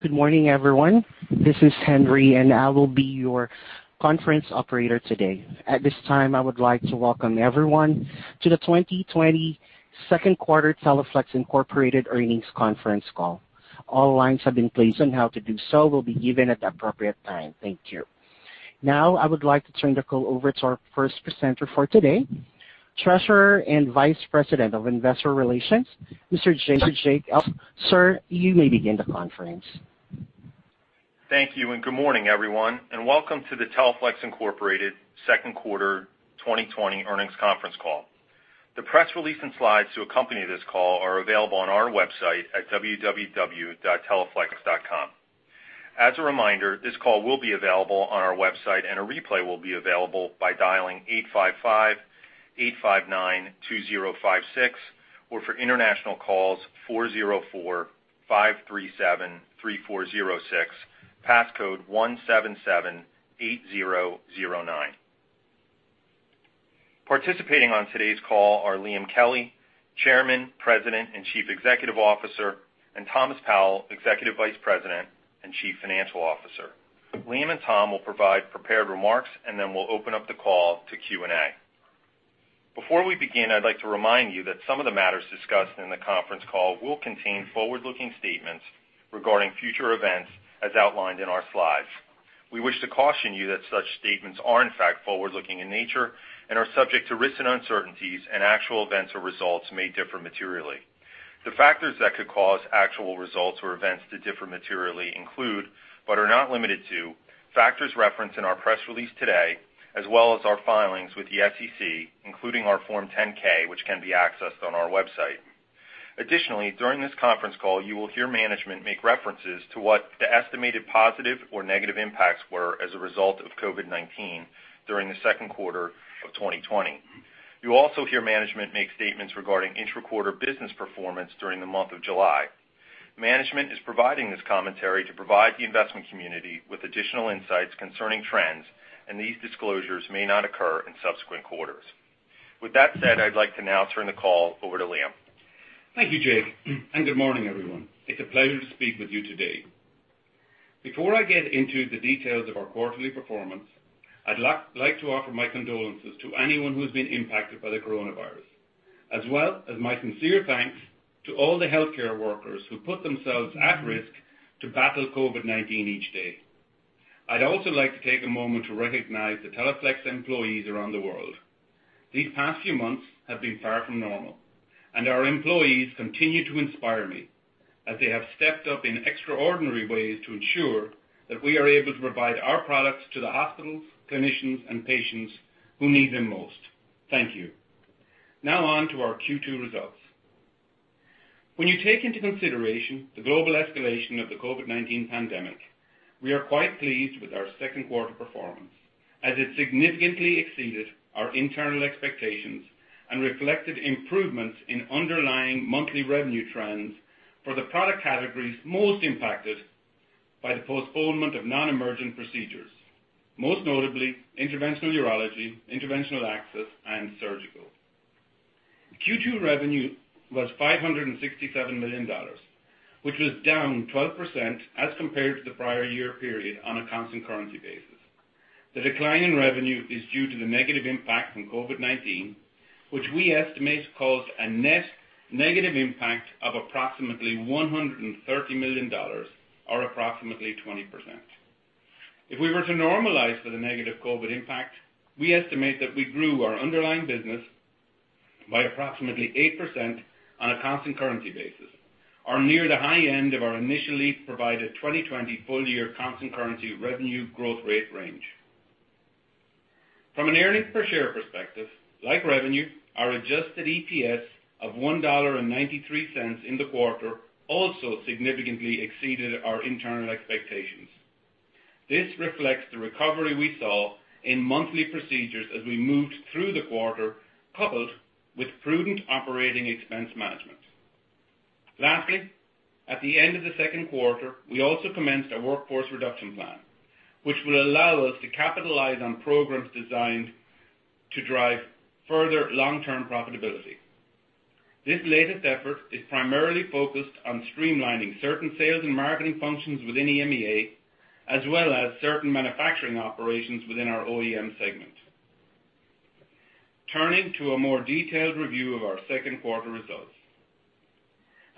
Good morning, everyone. This is Henry. I will be your conference operator today. At this time, I would like to welcome everyone to the 2020 second quarter Teleflex Incorporated earnings conference call. All lines have been placed on mute. How to do so will be given at the appropriate time. Thank you. I would like to turn the call over to our first presenter for today, Treasurer and Vice President of Investor Relations, Mr. Jake Elguicze. Sir, you may begin the conference. Thank you, and good morning, everyone, and welcome to the Teleflex Incorporated second quarter 2020 earnings conference call. The press release and slides to accompany this call are available on our website at www.teleflex.com. As a reminder, this call will be available on our website, and a replay will be available by dialing 855-859-2056, or for international calls, 404-537-3406, passcode 177-8009. Participating on today's call are Liam Kelly, Chairman, President, and Chief Executive Officer, and Thomas Powell, Executive Vice President and Chief Financial Officer. Liam and Tom will provide prepared remarks, and then we'll open up the call to Q&A. Before we begin, I'd like to remind you that some of the matters discussed in the conference call will contain forward-looking statements regarding future events as outlined in our slides. We wish to caution you that such statements are in fact forward-looking in nature and are subject to risks and uncertainties, and actual events or results may differ materially. The factors that could cause actual results or events to differ materially include, but are not limited to, factors referenced in our press release today, as well as our filings with the SEC, including our Form 10-K, which can be accessed on our website. Additionally, during this conference call, you will hear management make references to what the estimated positive or negative impacts were as a result of COVID-19 during the second quarter of 2020. You also hear management make statements regarding intra-quarter business performance during the month of July. Management is providing this commentary to provide the investment community with additional insights concerning trends, and these disclosures may not occur in subsequent quarters. With that said, I'd like to now turn the call over to Liam. Thank you, Jake. Good morning, everyone. It's a pleasure to speak with you today. Before I get into the details of our quarterly performance, I'd like to offer my condolences to anyone who has been impacted by the coronavirus, as well as my sincere thanks to all the healthcare workers who put themselves at risk to battle COVID-19 each day. I'd also like to take a moment to recognize the Teleflex employees around the world. These past few months have been far from normal, and our employees continue to inspire me as they have stepped up in extraordinary ways to ensure that we are able to provide our products to the hospitals, clinicians, and patients who need them most. Thank you. On to our Q2 results. When you take into consideration the global escalation of the COVID-19 pandemic, we are quite pleased with our second quarter performance, as it significantly exceeded our internal expectations and reflected improvements in underlying monthly revenue trends for the product categories most impacted by the postponement of non-emergent procedures, most notably Interventional Urology, Interventional Access, and Surgical. Q2 revenue was $567 million, which was down 12% as compared to the prior year period on a constant currency basis. The decline in revenue is due to the negative impact from COVID-19, which we estimate caused a net negative impact of approximately $130 million or approximately 20%. If we were to normalize for the negative COVID impact, we estimate that we grew our underlying business by approximately 8% on a constant currency basis, or near the high end of our initially provided 2020 full-year constant currency revenue growth rate range. From an earnings per share perspective, like revenue, our adjusted EPS of $1.93 in the quarter also significantly exceeded our internal expectations. This reflects the recovery we saw in monthly procedures as we moved through the quarter, coupled with prudent operating expense management. Lastly, at the end of the second quarter, we also commenced a workforce reduction plan, which will allow us to capitalize on programs designed to drive further long-term profitability. This latest effort is primarily focused on streamlining certain sales and marketing functions within EMEA, as well as certain manufacturing operations within our OEM Segment. Turning to a more detailed review of our second quarter results.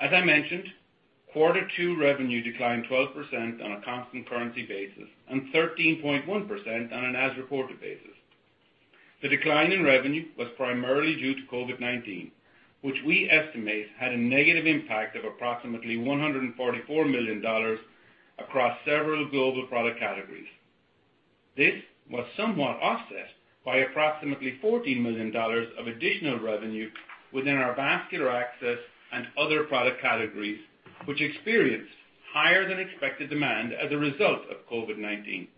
As I mentioned, quarter two revenue declined 12% on a constant currency basis and 13.1% on an as-reported basis. The decline in revenue was primarily due to COVID-19, which we estimate had a negative impact of approximately $144 million across several global product categories. This was somewhat offset by approximately $14 million of additional revenue within our vascular access and other product categories, which experienced higher than expected demand as a result of COVID-19.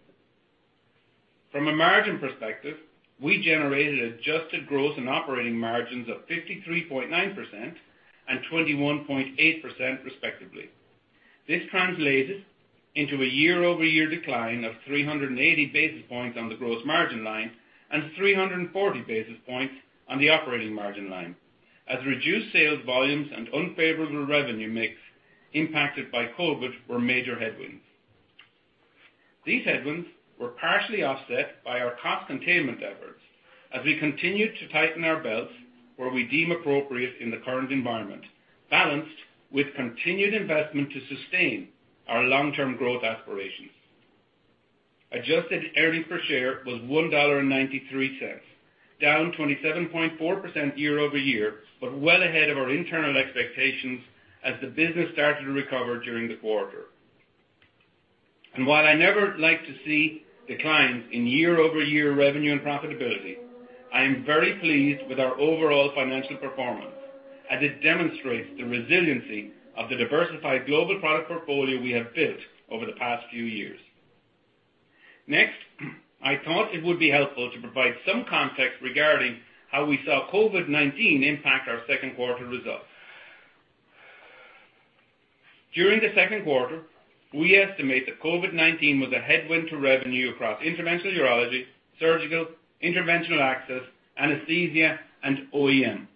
From a margin perspective, we generated adjusted gross and operating margins of 53.9% and 21.8%, respectively. This translated into a year-over-year decline of 380 basis points on the gross margin line and 340 basis points on the operating margin line. As reduced sales volumes and unfavorable revenue mix impacted by COVID-19 were major headwinds. These headwinds were partially offset by our cost containment efforts as we continued to tighten our belts where we deem appropriate in the current environment, balanced with continued investment to sustain our long-term growth aspirations. Adjusted earnings per share was $1.93, down 27.4% year-over-year, well ahead of our internal expectations as the business started to recover during the quarter. While I never like to see declines in year-over-year revenue and profitability, I am very pleased with our overall financial performance, as it demonstrates the resiliency of the diversified global product portfolio we have built over the past few years. Next, I thought it would be helpful to provide some context regarding how we saw COVID-19 impact our second quarter results. During the second quarter, we estimate that COVID-19 was a headwind to revenue across Interventional Urology, Surgical, Interventional Access, Anesthesia, and OEM.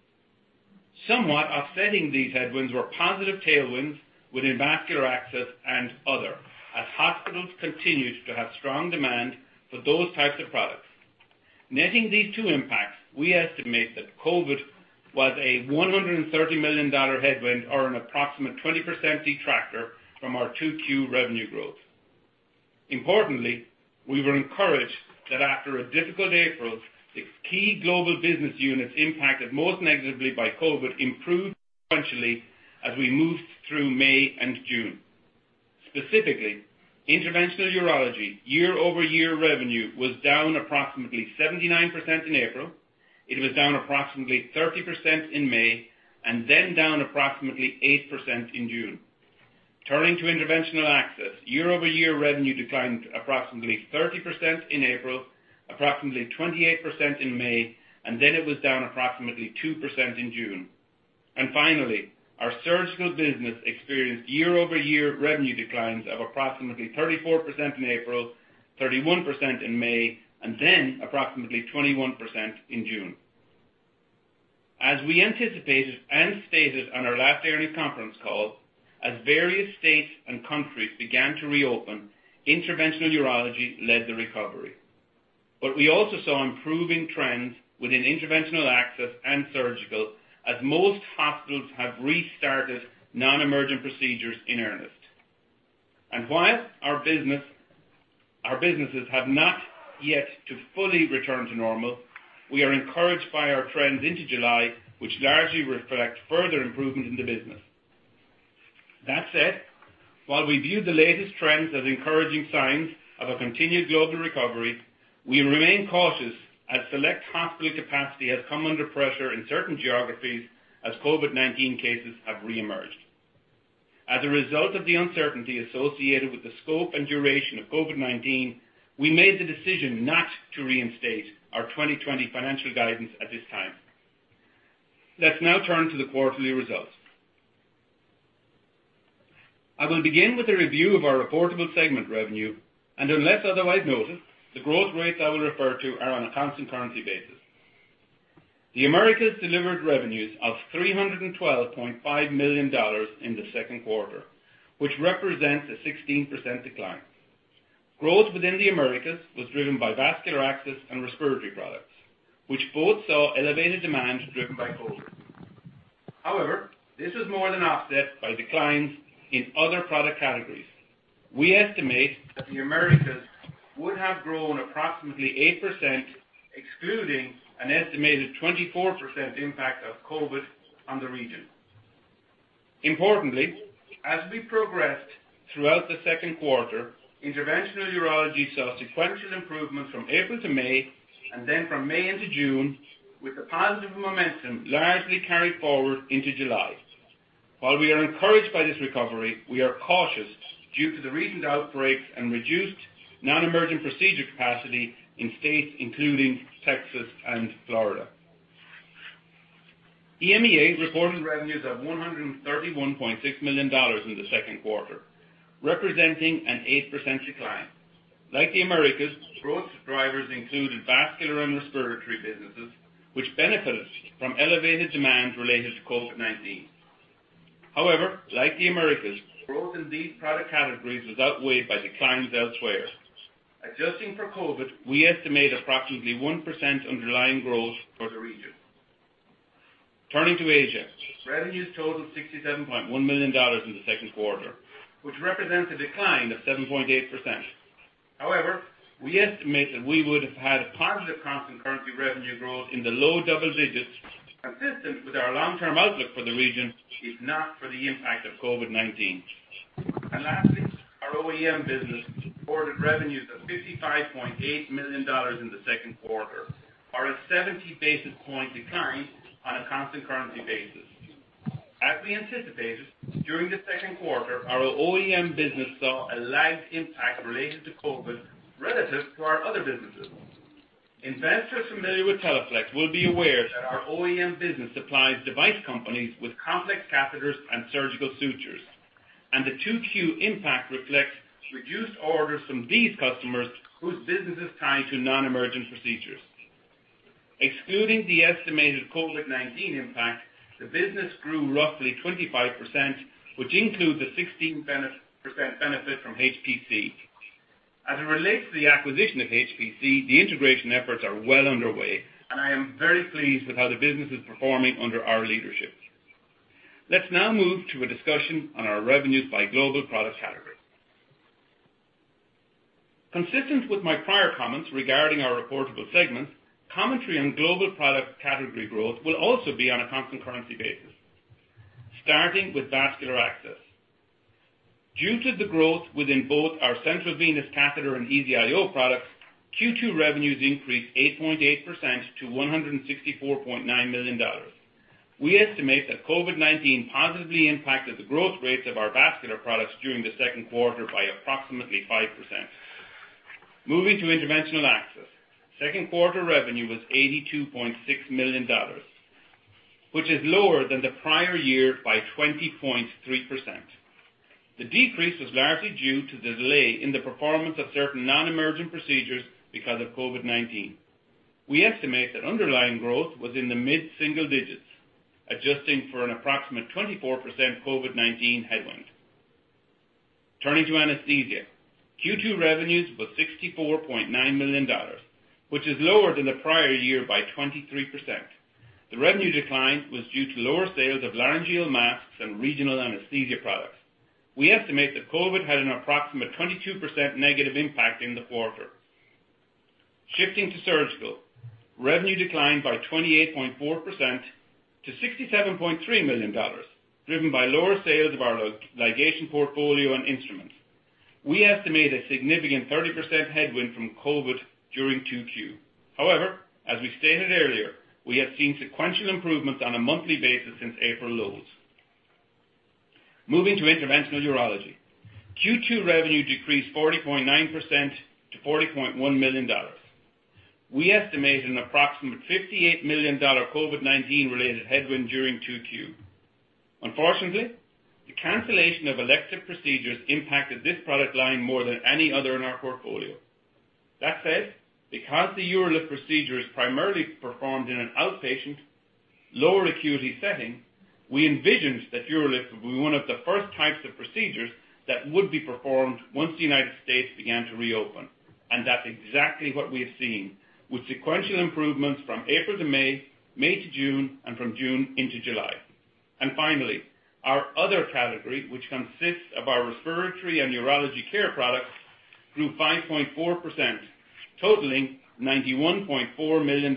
Somewhat offsetting these headwinds were positive tailwinds within Vascular Access and other, as hospitals continued to have strong demand for those types of products. Netting these two impacts, we estimate that COVID was a $130 million headwind or an approximate 20% detractor from our 2Q revenue growth. Importantly, we were encouraged that after a difficult April, the key global business units impacted most negatively by COVID improved substantially as we moved through May and June. Specifically, Interventional Urology year-over-year revenue was down approximately 79% in April. It was down approximately 30% in May, and then down approximately 8% in June. Turning to Interventional Access, year-over-year revenue declined approximately 30% in April, approximately 28% in May, and then it was down approximately 2% in June. Finally, our Surgical business experienced year-over-year revenue declines of approximately 34% in April, 31% in May, and then approximately 21% in June. As we anticipated and stated on our last earnings conference call, as various states and countries began to reopen, Interventional Urology led the recovery. We also saw improving trends within Interventional Access and Surgical as most hospitals have restarted non-emergent procedures in earnest. While our businesses have not yet to fully return to normal, we are encouraged by our trends into July, which largely reflect further improvement in the business. That said, while we view the latest trends as encouraging signs of a continued global recovery, we remain cautious as select hospital capacity has come under pressure in certain geographies as COVID-19 cases have reemerged. As a result of the uncertainty associated with the scope and duration of COVID-19, we made the decision not to reinstate our 2020 financial guidance at this time. Let's now turn to the quarterly results. I will begin with a review of our reportable segment revenue, and unless otherwise noted, the growth rates I will refer to are on a constant currency basis. The Americas delivered revenues of $312.5 million in the second quarter, which represents a 16% decline. Growth within the Americas was driven by vascular access and respiratory products, which both saw elevated demand driven by COVID. However, this was more than offset by declines in other product categories. We estimate that the Americas would have grown approximately 8%, excluding an estimated 24% impact of COVID on the region. Importantly, as we progressed throughout the second quarter, Interventional Urology saw sequential improvements from April to May, and then from May into June, with the positive momentum largely carried forward into July. While we are encouraged by this recovery, we are cautious due to the recent outbreaks and reduced non-emergent procedure capacity in states including Texas and Florida. EMEA reported revenues of $131.6 million in the second quarter, representing an 8% decline. Like the Americas, growth drivers included vascular and respiratory businesses, which benefited from elevated demand related to COVID-19. However, like the Americas, growth in these product categories was outweighed by declines elsewhere. Adjusting for COVID, we estimate approximately 1% underlying growth for the region. Turning to Asia. Revenues totaled $67.1 million in the second quarter, which represents a decline of 7.8%. However, we estimate that we would have had positive constant currency revenue growth in the low double digits, consistent with our long-term outlook for the region, if not for the impact of COVID-19. Lastly, our OEM business reported revenues of $55.8 million in the second quarter, or a 70-basis point decline on a constant currency basis. As we anticipated, during the second quarter, our OEM business saw a lagged impact related to COVID relative to our other businesses. Investors familiar with Teleflex will be aware that our OEM business supplies device companies with complex catheters and Surgical sutures. The 2Q impact reflects reduced orders from these customers whose business is tied to non-emergent procedures. Excluding the estimated COVID-19 impact, the business grew roughly 25%, which includes a 16% benefit from HPC. As it relates to the acquisition of HPC, the integration efforts are well underway, and I am very pleased with how the business is performing under our leadership. Let's now move to a discussion on our revenues by global product category. Consistent with my prior comments regarding our reportable segments, commentary on global product category growth will also be on a constant currency basis. Starting with vascular access. Due to the growth within both our central venous catheter and EZ-IO products, Q2 revenues increased 8.8% to $164.9 million. We estimate that COVID-19 positively impacted the growth rates of our vascular products during the second quarter by approximately 5%. Moving to Interventional Access. Second quarter revenue was $82.6 million, which is lower than the prior year by 20.3%. The decrease was largely due to the delay in the performance of certain non-emergent procedures because of COVID-19. We estimate that underlying growth was in the mid-single digits, adjusting for an approximate 24% COVID-19 headwind. Turning to Anesthesia. Q2 revenues were $64.9 million, which is lower than the prior year by 23%. The revenue decline was due to lower sales of laryngeal masks and regional Anesthesia products. We estimate that COVID had an approximate 22% negative impact in the quarter. Shifting to Surgical. Revenue declined by 28.4% to $67.3 million, driven by lower sales of our ligation portfolio and instruments. We estimate a significant 30% headwind from COVID during 2Q. However, as we stated earlier, we have seen sequential improvements on a monthly basis since April lows. Moving to Interventional Urology. Q2 revenue decreased 40.9% to $40.1 million. We estimate an approximate $58 million COVID-19 related headwind during 2Q. Unfortunately, the cancellation of elective procedures impacted this product line more than any other in our portfolio. That said, because the UroLift procedure is primarily performed in an outpatient, lower acuity setting, we envisioned that UroLift would be one of the first types of procedures that would be performed once the United States began to reopen, and that's exactly what we have seen with sequential improvements from April to May to June, and from June into July. Finally, our other category, which consists of our respiratory and urology care products, grew 5.4%, totaling $91.4 million.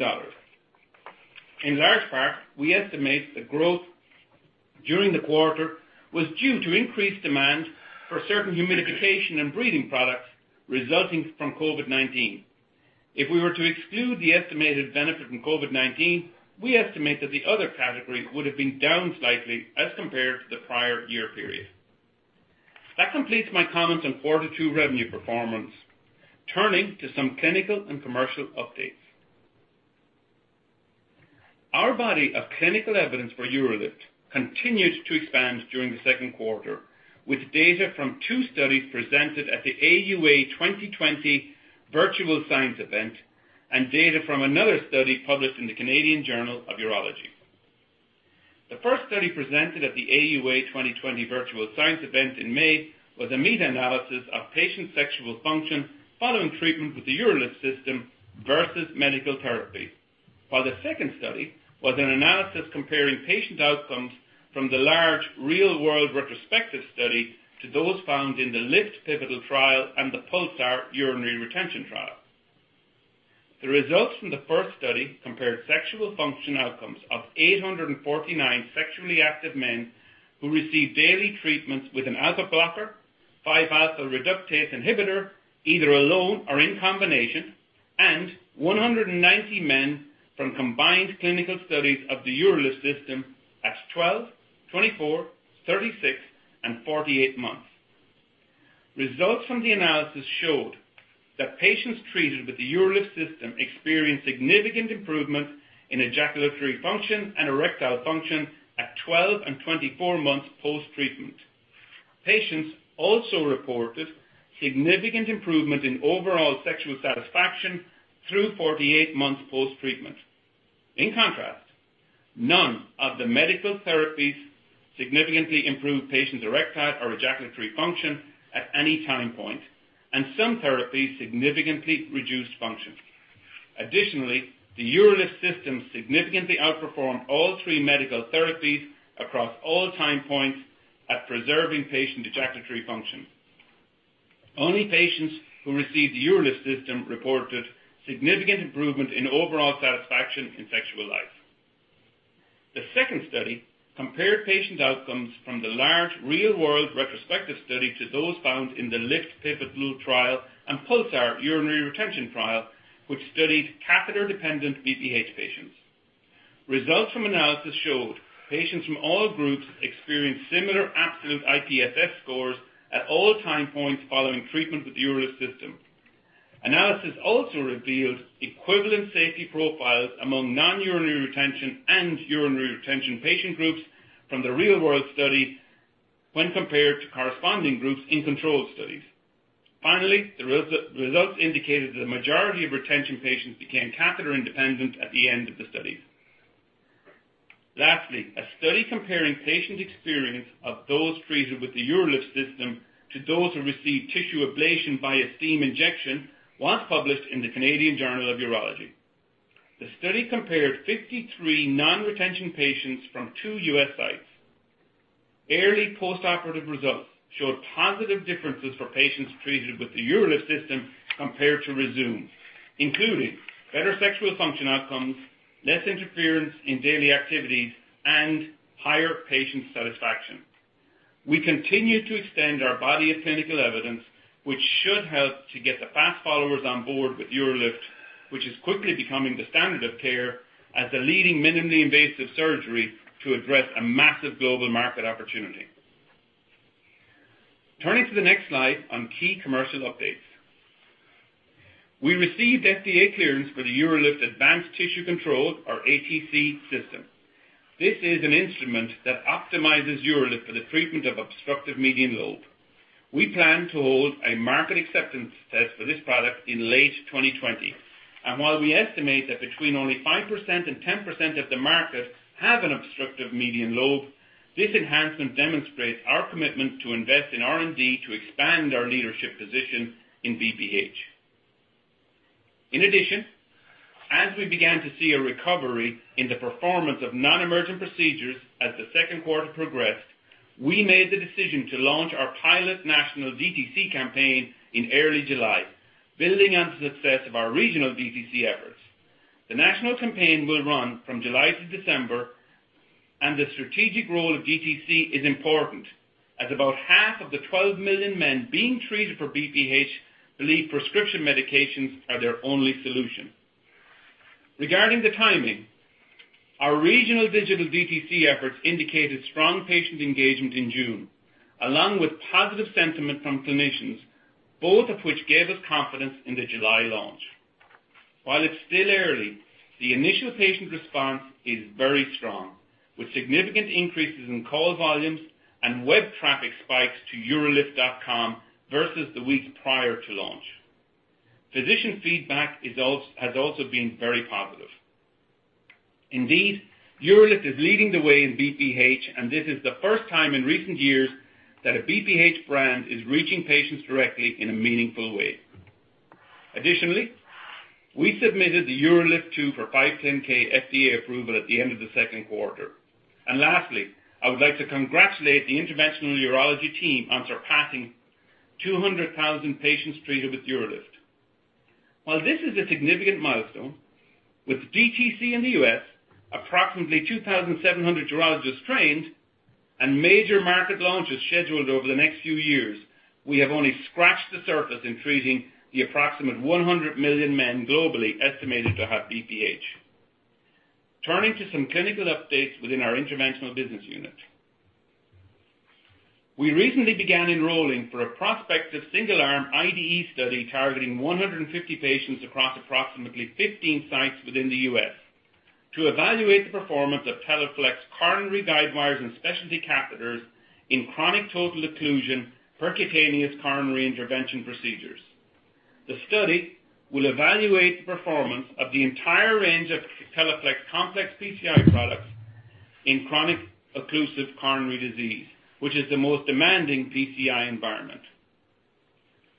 In large part, we estimate the growth during the quarter was due to increased demand for certain humidification and breathing products resulting from COVID-19. If we were to exclude the estimated benefit from COVID-19, we estimate that the other category would have been down slightly as compared to the prior year period. That completes my comments on quarter two revenue performance. Turning to some clinical and commercial updates. Our body of clinical evidence for UroLift continued to expand during the second quarter, with data from two studies presented at the AUA 2020 Virtual Science Event and data from another study published in the "Canadian Journal of Urology." The first study presented at the AUA 2020 Virtual Science Event in May was a meta-analysis of patient sexual function following treatment with the UroLift system versus medical therapy. While the second study was an analysis comparing patient outcomes from the large real-world retrospective study to those found in the L.I.F.T. pivotal trial and the PULSAR urinary retention trial. The results from the first study compared sexual function outcomes of 849 sexually active men who received daily treatments with an alpha blocker, 5-alpha reductase inhibitor, either alone or in combination, and 190 men from combined clinical studies of the UroLift system at 12, 24, 36, and 48 months. Results from the analysis showed that patients treated with the UroLift system experienced significant improvement in ejaculatory function and erectile function at 12 and 24 months post-treatment. Patients also reported significant improvement in overall sexual satisfaction through 48 months post-treatment. In contrast, none of the medical therapies significantly improved patients' erectile or ejaculatory function at any time point, and some therapies significantly reduced function. Additionally, the UroLift system significantly outperformed all three medical therapies across all time points at preserving patient ejaculatory function. Only patients who received the UroLift system reported significant improvement in overall satisfaction in sexual life. The second study compared patient outcomes from the large real-world retrospective study to those found in the L.I.F.T Pivotal trial and PULSAR urinary retention trial, which studied catheter-dependent BPH patients. Results from analysis showed patients from all groups experienced similar absolute IPSS scores at all time points following treatment with the UroLift system. Analysis also revealed equivalent safety profiles among non-urinary retention and urinary retention patient groups from the real-world study when compared to corresponding groups in control studies. Finally, the results indicated that the majority of retention patients became catheter-independent at the end of the study. Lastly, a study comparing patients' experience of those treated with the UroLift system to those who received tissue ablation via steam injection was published in the "Canadian Journal of Urology." The study compared 53 non-retention patients from two U.S. sites. Early postoperative results showed positive differences for patients treated with the UroLift system compared to Rezūm, including better sexual function outcomes, less interference in daily activities, and higher patient satisfaction. We continue to extend our body of clinical evidence, which should help to get the fast followers on board with UroLift, which is quickly becoming the standard of care as the leading minimally invasive surgery to address a massive global market opportunity. Turning to the next slide on key commercial updates. We received FDA clearance for the UroLift Advanced Tissue Control, or ATC, system. This is an instrument that optimizes UroLift for the treatment of obstructive median lobe. We plan to hold a market acceptance test for this product in late 2020. While we estimate that between only 5% and 10% of the market have an obstructive median lobe, this enhancement demonstrates our commitment to invest in R&D to expand our leadership position in BPH. In addition, as we began to see a recovery in the performance of non-emergent procedures as the second quarter progressed, we made the decision to launch our pilot national DTC campaign in early July, building on the success of our regional DTC efforts. The national campaign will run from July to December. The strategic role of DTC is important, as about half of the 12 million men being treated for BPH believe prescription medications are their only solution. Regarding the timing, our regional digital DTC efforts indicated strong patient engagement in June, along with positive sentiment from clinicians, both of which gave us confidence in the July launch. While it's still early, the initial patient response is very strong, with significant increases in call volumes and web traffic spikes to urolift.com versus the week prior to launch. Physician feedback has also been very positive. Indeed, UroLift is leading the way in BPH, and this is the first time in recent years that a BPH brand is reaching patients directly in a meaningful way. Additionally, we submitted the UroLift 2 for 510(k) FDA approval at the end of the second quarter. Lastly, I would like to congratulate the Interventional Urology team on surpassing 200,000 patients treated with UroLift. While this is a significant milestone, with DTC in the U.S., approximately 2,700 urologists trained, and major market launches scheduled over the next few years, we have only scratched the surface in treating the approximate 100 million men globally estimated to have BPH. Turning to some clinical updates within our interventional business unit. We recently began enrolling for a prospective single-arm IDE study targeting 150 patients across approximately 15 sites within the U.S. to evaluate the performance of Teleflex coronary guidewires and specialty catheters in chronic total occlusion percutaneous coronary intervention procedures. The study will evaluate the performance of the entire range of Teleflex complex PCI products in chronic occlusive coronary disease, which is the most demanding PCI environment.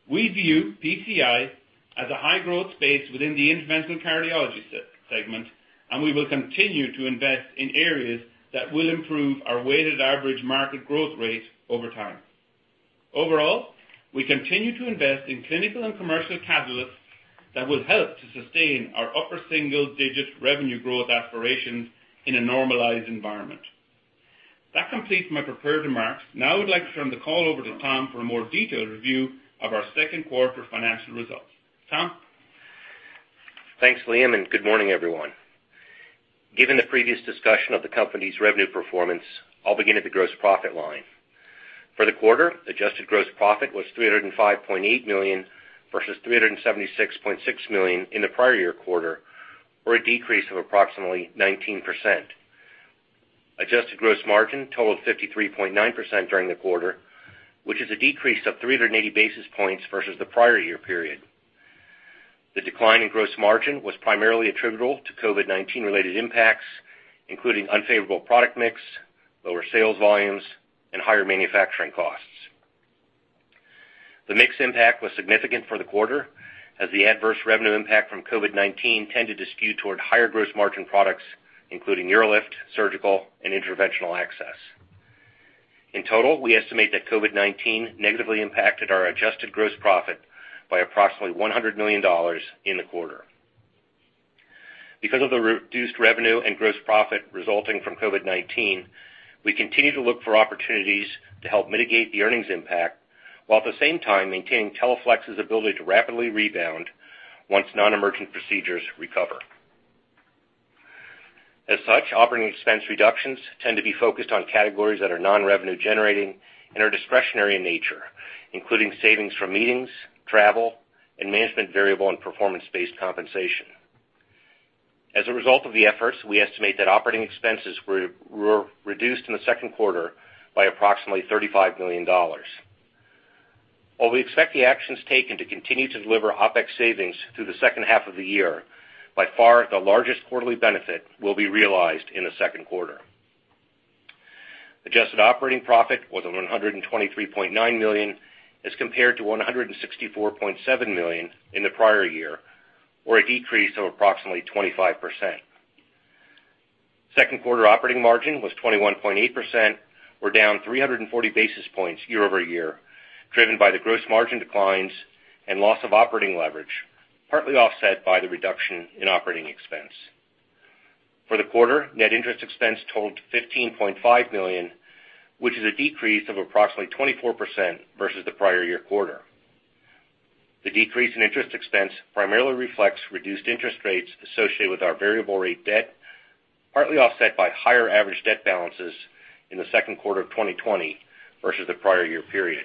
We view PCI as a high-growth space within the interventional cardiology segment, and we will continue to invest in areas that will improve our weighted average market growth rate over time. Overall, we continue to invest in clinical and commercial catalysts that will help to sustain our upper single-digit revenue growth aspirations in a normalized environment. That completes my prepared remarks. I would like to turn the call over to Tom for a more detailed review of our second quarter financial results. Tom? Thanks, Liam, and good morning, everyone. Given the previous discussion of the company's revenue performance, I'll begin at the gross profit line. For the quarter, adjusted gross profit was $305.8 million, versus $376.6 million in the prior year quarter, or a decrease of approximately 19%. Adjusted gross margin totaled 53.9% during the quarter, which is a decrease of 380 basis points versus the prior year period. The decline in gross margin was primarily attributable to COVID-19-related impacts, including unfavorable product mix, lower sales volumes, and higher manufacturing costs. The mix impact was significant for the quarter, as the adverse revenue impact from COVID-19 tended to skew toward higher gross margin products, including UroLift, Surgical, and Interventional Access. In total, we estimate that COVID-19 negatively impacted our adjusted gross profit by approximately $100 million in the quarter. Because of the reduced revenue and gross profit resulting from COVID-19, we continue to look for opportunities to help mitigate the earnings impact, while at the same time maintaining Teleflex's ability to rapidly rebound once non-emergent procedures recover. As such, operating expense reductions tend to be focused on categories that are non-revenue generating and are discretionary in nature, including savings from meetings, travel, and management variable and performance-based compensation. As a result of the efforts, we estimate that operating expenses were reduced in the second quarter by approximately $35 million. While we expect the actions taken to continue to deliver OpEx savings through the second half of the year, by far, the largest quarterly benefit will be realized in the second quarter. Adjusted operating profit was $123.9 million as compared to $164.7 million in the prior year, or a decrease of approximately 25%. Second quarter operating margin was 21.8%, or down 340 basis points year-over-year, driven by the gross margin declines and loss of operating leverage, partly offset by the reduction in OpEx. For the quarter, net interest expense totaled $15.5 million, which is a decrease of approximately 24% versus the prior-year quarter. The decrease in interest expense primarily reflects reduced interest rates associated with our variable rate debt, partly offset by higher average debt balances in the second quarter of 2020 versus the prior-year period.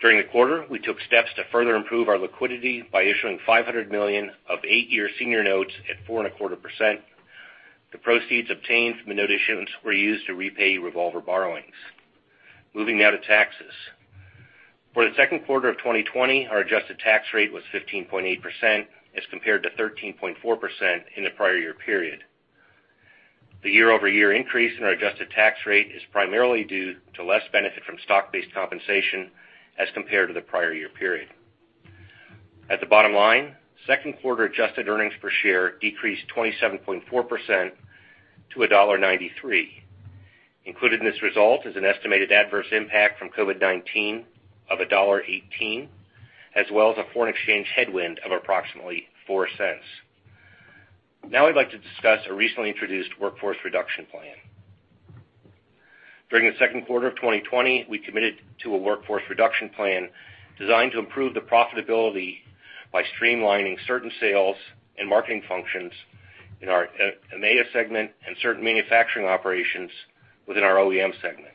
During the quarter, we took steps to further improve our liquidity by issuing $500 million of eight-year senior notes at 4.25%. The proceeds obtained from the note issuance were used to repay revolver borrowings. Moving now to taxes. For the second quarter of 2020, our adjusted tax rate was 15.8% as compared to 13.4% in the prior-year period. The year-over-year increase in our adjusted tax rate is primarily due to less benefit from stock-based compensation as compared to the prior year period. At the bottom line, second quarter adjusted earnings per share decreased 27.4% to $1.93. Included in this result is an estimated adverse impact from COVID-19 of $1.18, as well as a foreign exchange headwind of approximately $0.04. Now I'd like to discuss a recently introduced workforce reduction plan. During the second quarter of 2020, we committed to a workforce reduction plan designed to improve the profitability by streamlining certain sales and marketing functions in our EMEA segment and certain manufacturing operations within our OEM segment.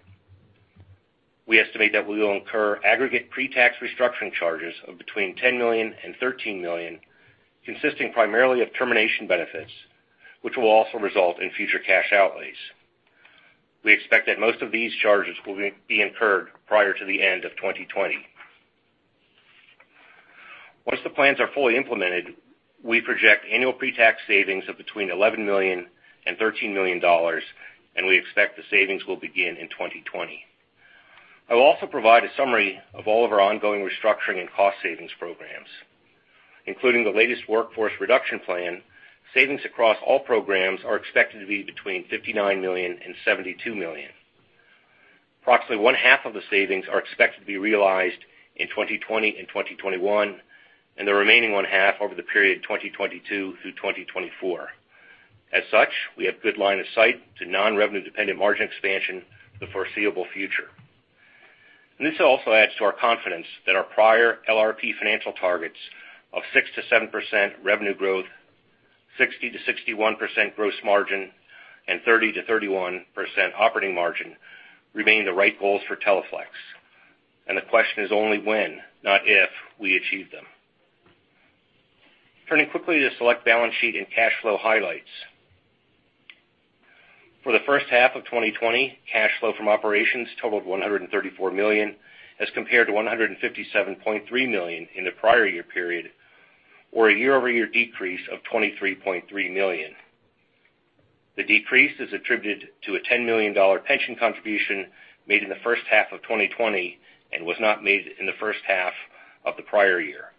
We estimate that we will incur aggregate pre-tax restructuring charges of between $10 million and $13 million, consisting primarily of termination benefits, which will also result in future cash outlays. We expect that most of these charges will be incurred prior to the end of 2020. Once the plans are fully implemented, we project annual pre-tax savings of $11 million-$13 million, and we expect the savings will begin in 2020. I will also provide a summary of all of our ongoing restructuring and cost savings programs, including the latest workforce reduction plan. Savings across all programs are expected to be $59 million-$72 million. Approximately one half of the savings are expected to be realized in 2020 and 2021, and the remaining one half over the period 2022 through 2024. As such, we have good line of sight to non-revenue dependent margin expansion for the foreseeable future. This also adds to our confidence that our prior LRP financial targets of 6%-7% revenue growth, 60%-61% gross margin, and 30%-31% operating margin remain the right goals for Teleflex. The question is only when, not if, we achieve them. Turning quickly to select balance sheet and cash flow highlights. For the first half of 2020, cash flow from operations totaled $134 million as compared to $157.3 million in the prior year period, or a year-over-year decrease of $23.3 million. The decrease is attributed to a $10 million pension contribution made in the first half of 2020 and was not made in the first half of the prior year,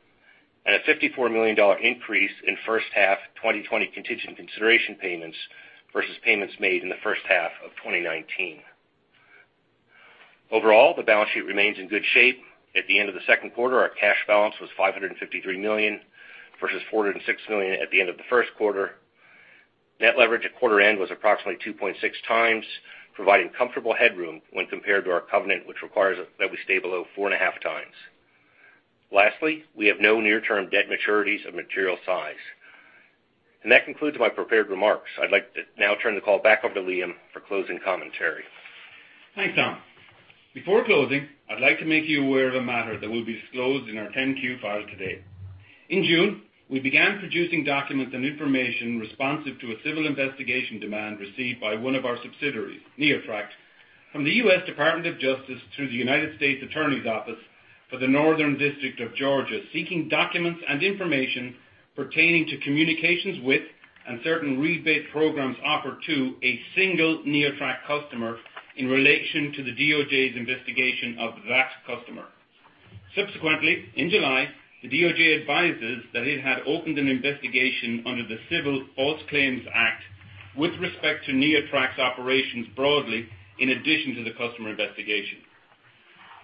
and a $54 million increase in first half 2020 contingent consideration payments versus payments made in the first half of 2019. Overall, the balance sheet remains in good shape. At the end of the second quarter, our cash balance was $553 million versus $406 million at the end of the first quarter. Net leverage at quarter end was approximately 2.6x, providing comfortable headroom when compared to our covenant, which requires that we stay below 4.5x. Lastly, we have no near term debt maturities of material size. That concludes my prepared remarks. I'd like to now turn the call back over to Liam for closing commentary. Thanks, Tom. Before closing, I'd like to make you aware of a matter that will be disclosed in our 10-Q file today. In June, we began producing documents and information responsive to a civil investigation demand received by one of our subsidiaries, NeoTract, from the U.S. Department of Justice through the United States Attorney's Office for the Northern District of Georgia, seeking documents and information pertaining to communications with and certain rebate programs offered to a single NeoTract customer in relation to the DOJ's investigation of that customer. Subsequently, in July, the DOJ advises that it had opened an investigation under the Civil False Claims Act with respect to NeoTract's operations broadly in addition to the customer investigation.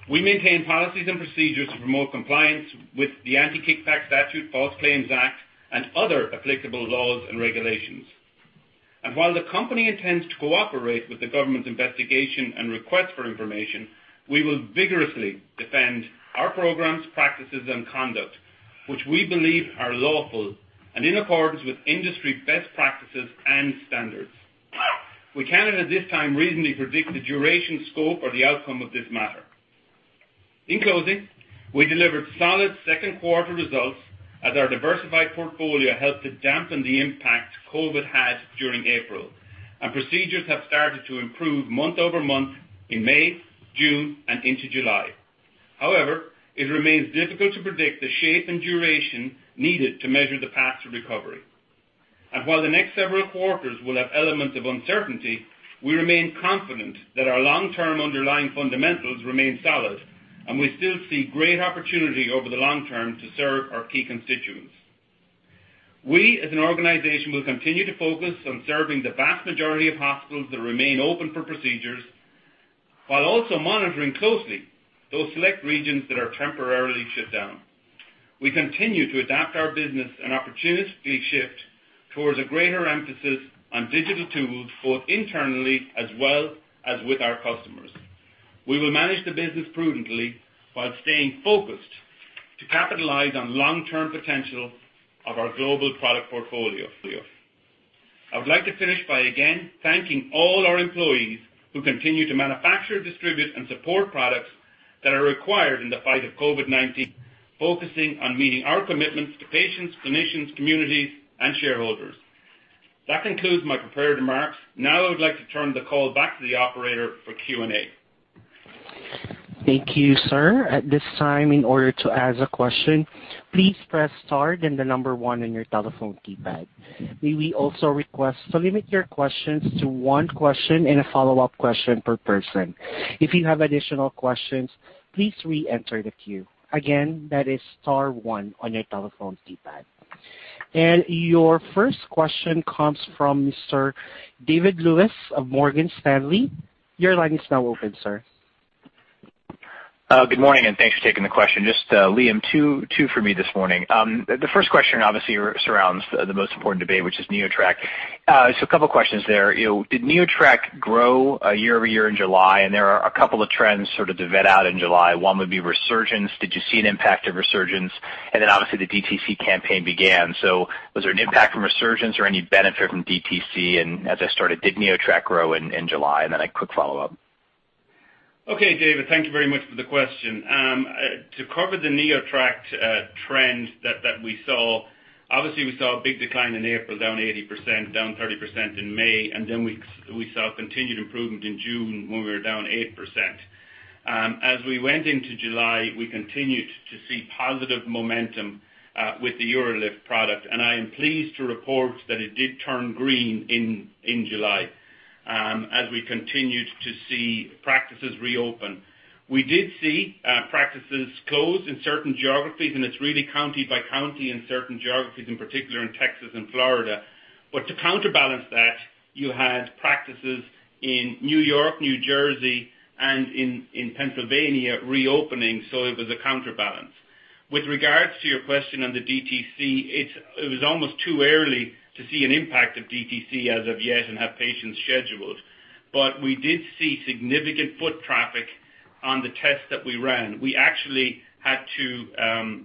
We maintain policies and procedures to promote compliance with the Anti-Kickback Statute, False Claims Act, and other applicable laws and regulations. While the company intends to cooperate with the government's investigation and request for information, we will vigorously defend our programs, practices, and conduct, which we believe are lawful and in accordance with industry best practices and standards. We cannot, at this time, reasonably predict the duration, scope, or the outcome of this matter. In closing, we delivered solid second quarter results as our diversified portfolio helped to dampen the impact COVID had during April, and procedures have started to improve month-over-month in May, June, and into July. However, it remains difficult to predict the shape and duration needed to measure the path to recovery. While the next several quarters will have elements of uncertainty, we remain confident that our long-term underlying fundamentals remain solid, and we still see great opportunity over the long term to serve our key constituents. We, as an organization, will continue to focus on serving the vast majority of hospitals that remain open for procedures while also monitoring closely those select regions that are temporarily shut down. We continue to adapt our business and opportunistically shift towards a greater emphasis on digital tools, both internally as well as with our customers. We will manage the business prudently while staying focused to capitalize on long-term potential of our global product portfolio. I would like to finish by, again, thanking all our employees who continue to manufacture, distribute, and support products that are required in the fight of COVID-19, focusing on meeting our commitments to patients, clinicians, communities, and shareholders. That concludes my prepared remarks. Now I would like to turn the call back to the operator for Q&A. Thank you, sir. At this time, in order to ask a question, please press star then the number one on your telephone keypad. May we also request to limit your questions to one question and a follow-up question per person. If you have additional questions, please re-enter the queue. Again, that is star one on your telephone keypad. Your first question comes from Mr. David Lewis of Morgan Stanley. Your line is now open, sir. Good morning. Thanks for taking the question. Just, Liam, two for me this morning. The first question obviously surrounds the most important debate, which is NeoTract. A couple questions there. Did NeoTract grow year-over-year in July? There are a couple of trends sort of to vet out in July. One would be resurgence. Did you see an impact of resurgence? Then obviously the DTC campaign began. Was there an impact from resurgence or any benefit from DTC? As I started, did NeoTract grow in July? A quick follow-up. Okay, David. Thank you very much for the question. To cover the NeoTract trend that we saw, obviously we saw a big decline in April, down 80%, down 30% in May, and then we saw continued improvement in June when we were down 8%. As we went into July, we continued to see positive momentum with the UroLift product, and I am pleased to report that it did turn green in July as we continued to see practices reopen. We did see practices close in certain geographies, and it's really county by county in certain geographies, in particular in Texas and Florida. To counterbalance that, you had practices in New York, New Jersey, and in Pennsylvania reopening, so it was a counterbalance. With regards to your question on the DTC, it was almost too early to see an impact of DTC as of yet and have patients scheduled. We did see significant foot traffic on the tests that we ran. We actually had to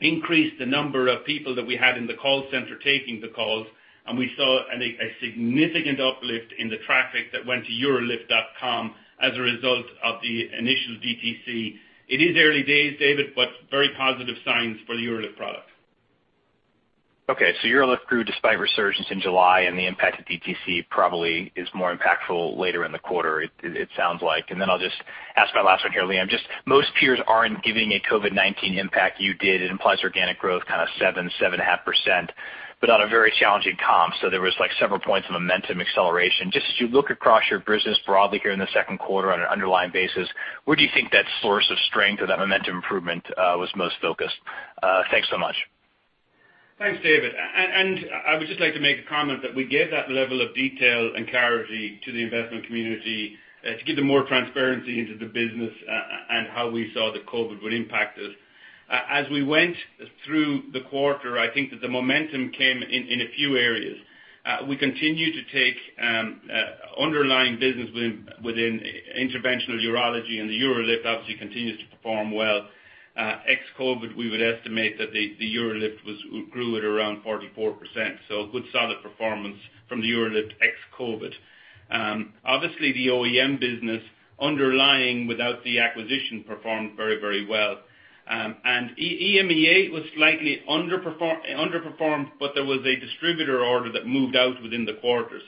increase the number of people that we had in the call center taking the calls, and we saw a significant uplift in the traffic that went to urolift.com as a result of the initial DTC. It is early days, David, very positive signs for the UroLift product. Okay. UroLift grew despite resurgence in July, and the impact of DTC probably is more impactful later in the quarter it sounds like. I'll just ask my last one here, Liam. Most peers aren't giving a COVID-19 impact. You did. It implies organic growth, kind of 7.5%, but on a very challenging comp. There was several points of momentum acceleration. As you look across your business broadly here in the second quarter on an underlying basis, where do you think that source of strength or that momentum improvement was most focused? Thanks so much. Thanks, David. I would just like to make a comment that we gave that level of detail and clarity to the investment community to give them more transparency into the business and how we saw that COVID would impact us. As we went through the quarter, I think that the momentum came in a few areas. We continue to take underlying business within Interventional Urology, and the UroLift obviously continues to perform well. Ex-COVID, we would estimate that the UroLift grew at around 44%. A good solid performance from the UroLift ex-COVID. Obviously, the OEM business underlying without the acquisition performed very well. EMEA was slightly underperformed, but there was a distributor order that moved out within the quarter.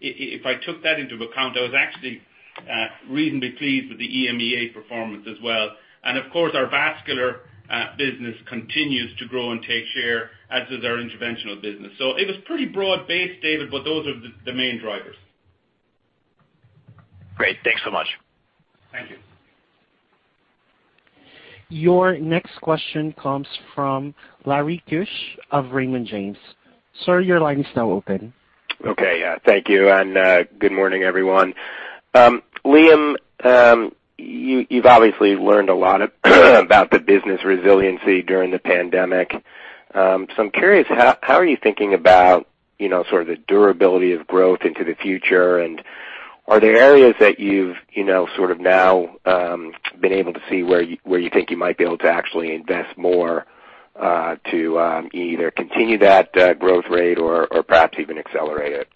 If I took that into account, I was actually reasonably pleased with the EMEA performance as well. Of course, our vascular business continues to grow and take share, as does our interventional business. It was pretty broad-based, David, but those are the main drivers. Great. Thanks so much. Thank you. Your next question comes from Larry Keusch of Raymond James. Sir, your line is now open. Okay. Thank you, and good morning, everyone. Liam, you've obviously learned a lot about the business resiliency during the pandemic. I'm curious, how are you thinking about sort of the durability of growth into the future, and are there areas that you've sort of now been able to see where you think you might be able to actually invest more to either continue that growth rate or perhaps even accelerate it?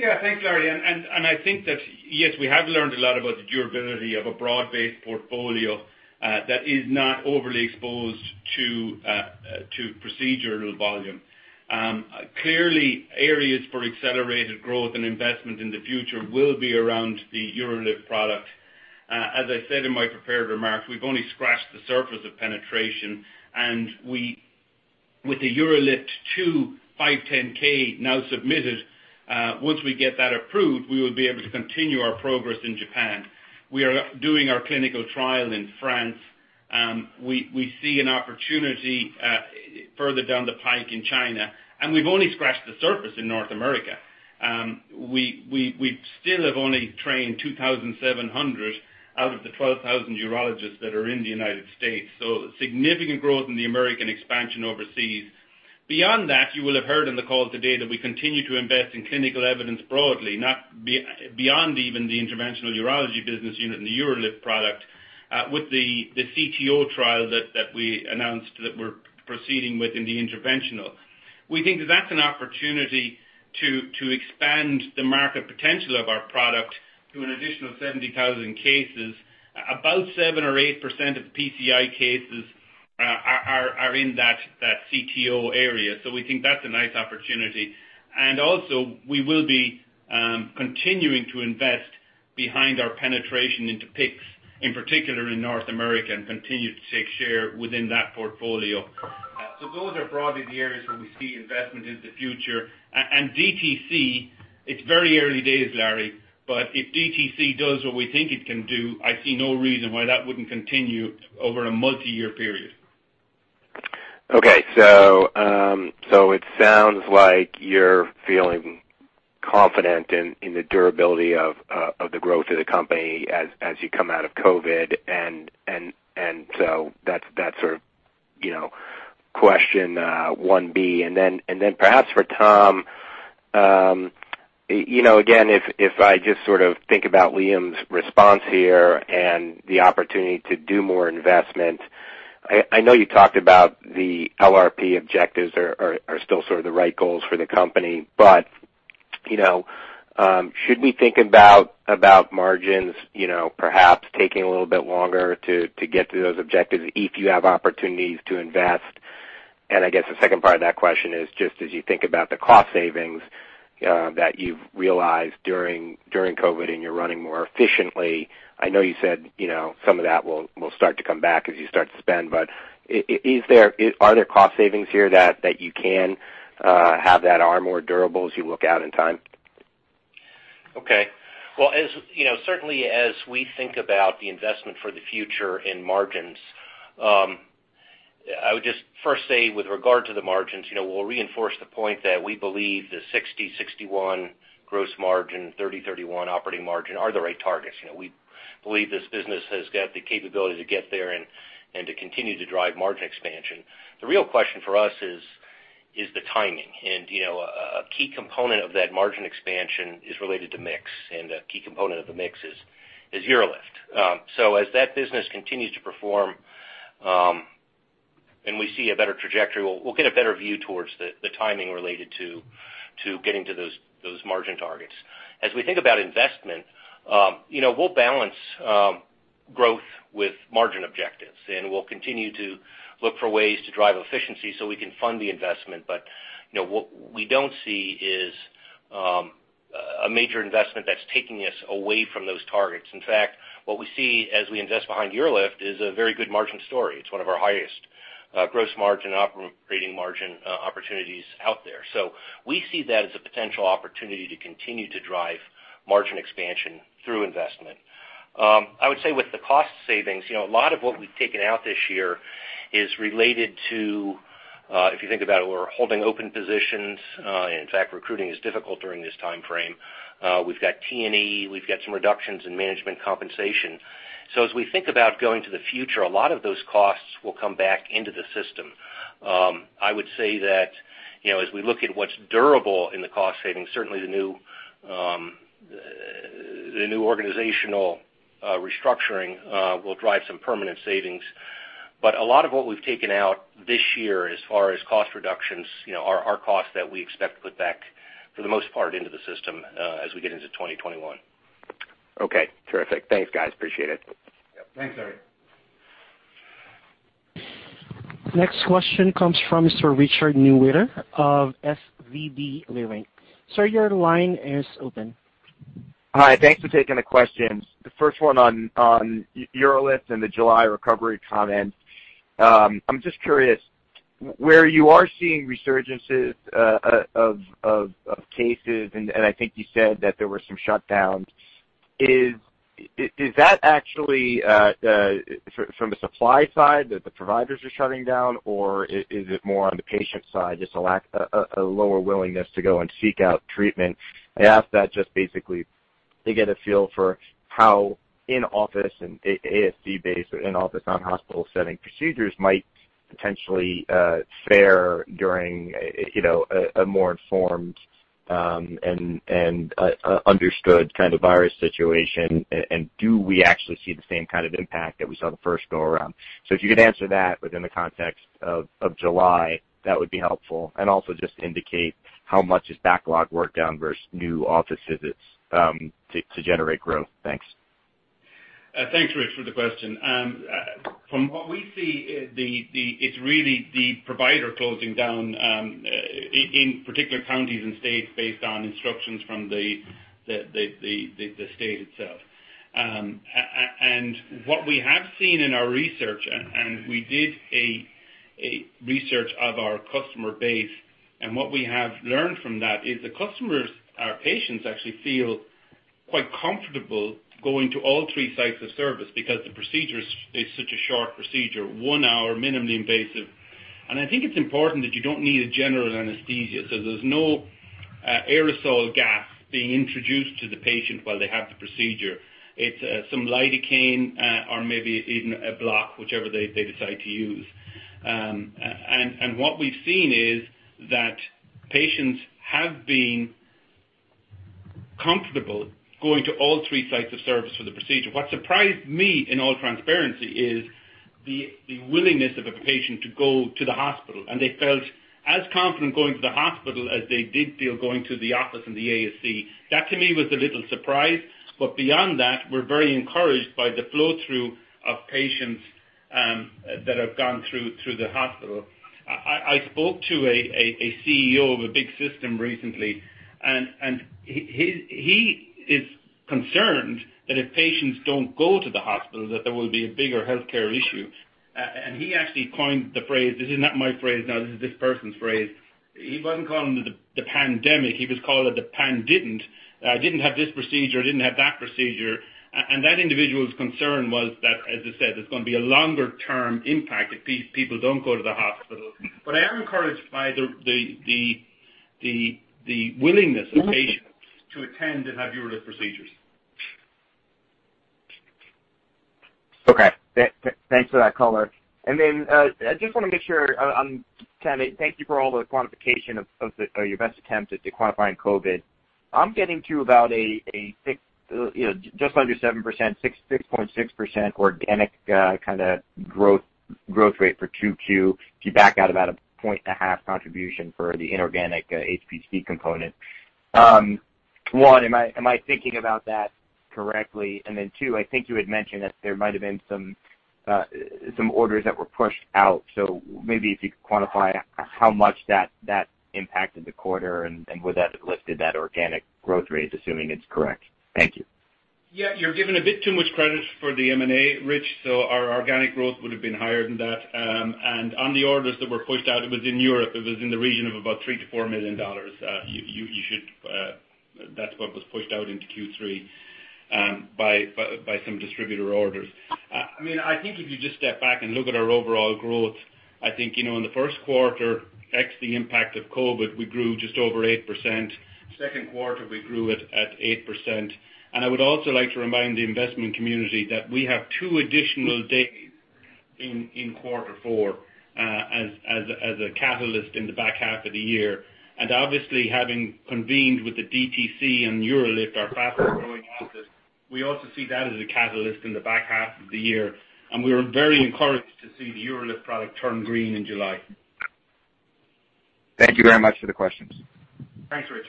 Yeah. Thanks, Larry. I think that, yes, we have learned a lot about the durability of a broad-based portfolio that is not overly exposed to procedural volume. Clearly, areas for accelerated growth and investment in the future will be around the UroLift product. As I said in my prepared remarks, we've only scratched the surface of penetration. With the UroLift 2 510(k) now submitted, once we get that approved, we will be able to continue our progress in Japan. We are doing our clinical trial in France. We see an opportunity further down the pike in China, and we've only scratched the surface in North America. We still have only trained 2,700 out of the 12,000 urologists that are in the United States, so significant growth in the American expansion overseas. Beyond that, you will have heard on the call today that we continue to invest in clinical evidence broadly, beyond even the Interventional Urology business unit and the UroLift product, with the CTO trial that we announced that we're proceeding with in the interventional. We think that that's an opportunity to expand the market potential of our product to an additional 70,000 cases. About 7% or 8% of PCI cases are in that CTO area. We think that's a nice opportunity. Also, we will be continuing to invest behind our penetration into PICCs, in particular in North America, and continue to take share within that portfolio. Those are broadly the areas where we see investment in the future. DTC, it's very early days, Larry, but if DTC does what we think it can do, I see no reason why that wouldn't continue over a multi-year period. Okay. It sounds like you're feeling confident in the durability of the growth of the company as you come out of COVID. That's sort of question one B. Perhaps for Tom, again, if I just sort of think about Liam's response here and the opportunity to do more investment, I know you talked about the LRP objectives are still sort of the right goals for the company. Should we think about margins perhaps taking a little bit longer to get to those objectives if you have opportunities to invest? I guess the second part of that question is just as you think about the cost savings that you've realized during COVID and you're running more efficiently, I know you said some of that will start to come back as you start to spend, but are there cost savings here that you can have that are more durable as you look out in time? Well, certainly as we think about the investment for the future in margins, I would just first say with regard to the margins, we'll reinforce the point that we believe the 60%, 61% gross margin, 30%, 31% operating margin are the right targets. We believe this business has got the capability to get there and to continue to drive margin expansion. The real question for us is the timing. A key component of that margin expansion is related to mix, and a key component of the mix is UroLift. As that business continues to perform, and we see a better trajectory, we'll get a better view towards the timing related to getting to those margin targets. As we think about investment, we'll balance growth with margin objectives, and we'll continue to look for ways to drive efficiency so we can fund the investment. What we don't see is a major investment that's taking us away from those targets. In fact, what we see as we invest behind UroLift is a very good margin story. It's one of our highest gross margin, operating margin opportunities out there. We see that as a potential opportunity to continue to drive margin expansion through investment. I would say with the cost savings, a lot of what we've taken out this year is related to, if you think about it, we're holding open positions. In fact, recruiting is difficult during this time frame. We've got T&E, we've got some reductions in management compensation. As we think about going to the future, a lot of those costs will come back into the system. I would say that as we look at what's durable in the cost savings, certainly the new organizational restructuring will drive some permanent savings. A lot of what we've taken out this year as far as cost reductions are costs that we expect to put back for the most part into the system as we get into 2021. Okay. Terrific. Thanks, guys. Appreciate it. Yep. Thanks, Larry. Next question comes from Mr. Richard Newitter of SVB Leerink. Sir, your line is open. Hi. Thanks for taking the questions. The first one on UroLift and the July recovery comment. I'm just curious, where you are seeing resurgences of cases, and I think you said that there were some shutdowns? Is that actually from the supply side that the providers are shutting down? Is it more on the patient side, just a lower willingness to go and seek out treatment? I ask that just basically to get a feel for how in-office and ASC-based or in-office, non-hospital setting procedures might potentially fare during a more informed and understood kind of virus situation. Do we actually see the same kind of impact that we saw the first go around? If you could answer that within the context of July, that would be helpful. Also just indicate how much is backlog worked down versus new office visits to generate growth. Thanks. Thanks, Rich, for the question. From what we see, it's really the provider closing down, in particular counties and states based on instructions from the state itself. What we have seen in our research, and we did a research of our customer base, and what we have learned from that is the customers, our patients, actually feel quite comfortable going to all three sites of service because the procedure is such a short procedure, one hour, minimally invasive. I think it's important that you don't need a general anesthesia, so there's no aerosol gas being introduced to the patient while they have the procedure. It's some lidocaine or maybe even a block, whichever they decide to use. What we've seen is that patients have been comfortable going to all three sites of service for the procedure. What surprised me, in all transparency, is the willingness of a patient to go to the hospital. They felt as confident going to the hospital as they did feel going to the office and the ASC. That, to me, was a little surprise. Beyond that, we're very encouraged by the flow-through of patients that have gone through the hospital. I spoke to a CEO of a big system recently. He is concerned that if patients don't go to the hospital, that there will be a bigger healthcare issue. He actually coined the phrase, this is not my phrase. This is this person's phrase. He wasn't calling it the pandemic. He was calling it the pan-didn't. Didn't have this procedure, didn't have that procedure. That individual's concern was that, as I said, it's going to be a longer-term impact if people don't go to the hospital. I am encouraged by the willingness of patients to attend and have UroLift procedures. Okay. Thanks for that color. I just want to make sure, thank you for all the quantification of your best attempt at dequantifying COVID. I'm getting to about just under 7%, 6.6% organic kind of growth rate for 2Q. If you back out about a point and a half contribution for the inorganic HPC component. One, am I thinking about that correctly? Two, I think you had mentioned that there might have been some orders that were pushed out. Maybe if you could quantify how much that impacted the quarter and whether that lifted that organic growth rate, assuming it's correct. Thank you. Yeah. You're giving a bit too much credit for the M&A, Rich, our organic growth would have been higher than that. On the orders that were pushed out, it was in Europe. It was in the region of about $3 million-$4 million. That's what was pushed out into Q3 by some distributor orders. I think if you just step back and look at our overall growth, I think, in the first quarter, X the impact of COVID, we grew just over 8%. Second quarter, we grew it at 8%. I would also like to remind the investment community that we have two additional days in quarter four as a catalyst in the back half of the year. Obviously, having convened with the DTC and UroLift, our fastest growing asset, we also see that as a catalyst in the back half of the year. We're very encouraged to see the UroLift product turn green in July. Thank you very much for the questions. Thanks, Rich.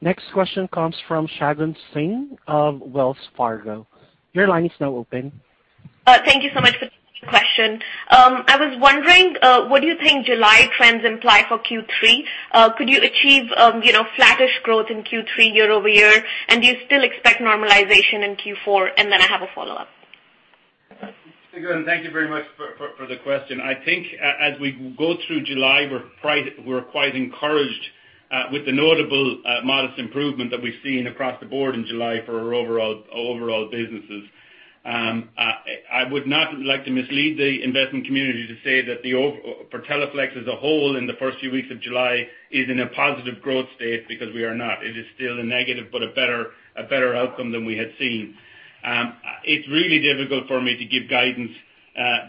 Next question comes from Shagun Singh of Wells Fargo. Your line is now open. Thank you so much for the question. I was wondering, what do you think July trends imply for Q3? Could you achieve flattish growth in Q3 year-over-year? Do you still expect normalization in Q4? I have a follow-up. Shagun, thank you very much for the question. I think as we go through July, we're quite encouraged with the notable modest improvement that we've seen across the board in July for our overall businesses. I would not like to mislead the investment community to say that for Teleflex as a whole in the first few weeks of July is in a positive growth state because we are not. It is still a negative, but a better outcome than we had seen. It's really difficult for me to give guidance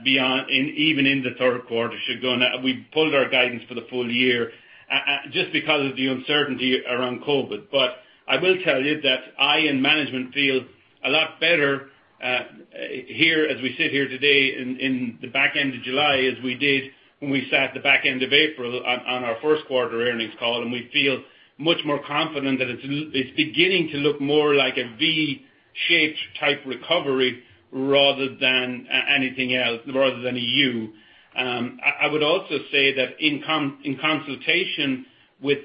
even in the third quarter, Shagun. We pulled our guidance for the full year just because of the uncertainty around COVID. I will tell you that I and management feel a lot better here as we sit here today in the back end of July, as we did when we sat at the back end of April on our first quarter earnings call. We feel much more confident that it's beginning to look more like a V-shaped type recovery rather than anything else, rather than a U. I would also say that in consultation with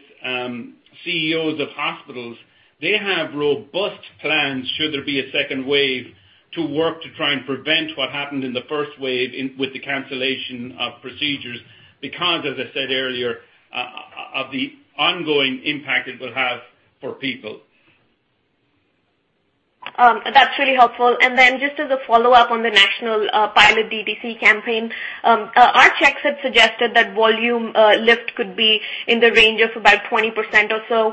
CEOs of hospitals, they have robust plans should there be a second wave to work to try and prevent what happened in the first wave with the cancellation of procedures, because, as I said earlier, of the ongoing impact it will have for people. That's really helpful. Just as a follow-up on the national pilot DTC campaign, our checks had suggested that volume lift could be in the range of about 20% or so.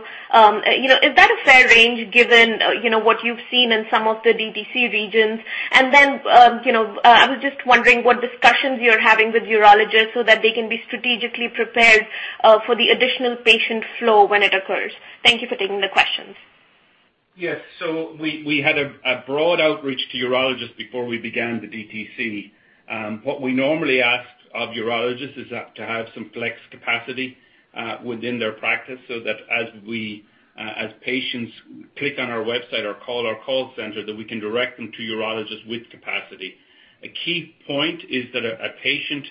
Is that a fair range given what you've seen in some of the DTC regions? I was just wondering what discussions you're having with urologists so that they can be strategically prepared for the additional patient flow when it occurs. Thank you for taking the questions. Yes. We had a broad outreach to urologists before we began the DTC. What we normally ask of urologists is to have some flex capacity within their practice so that as patients click on our website or call our call center, that we can direct them to urologists with capacity. A key point is that a patient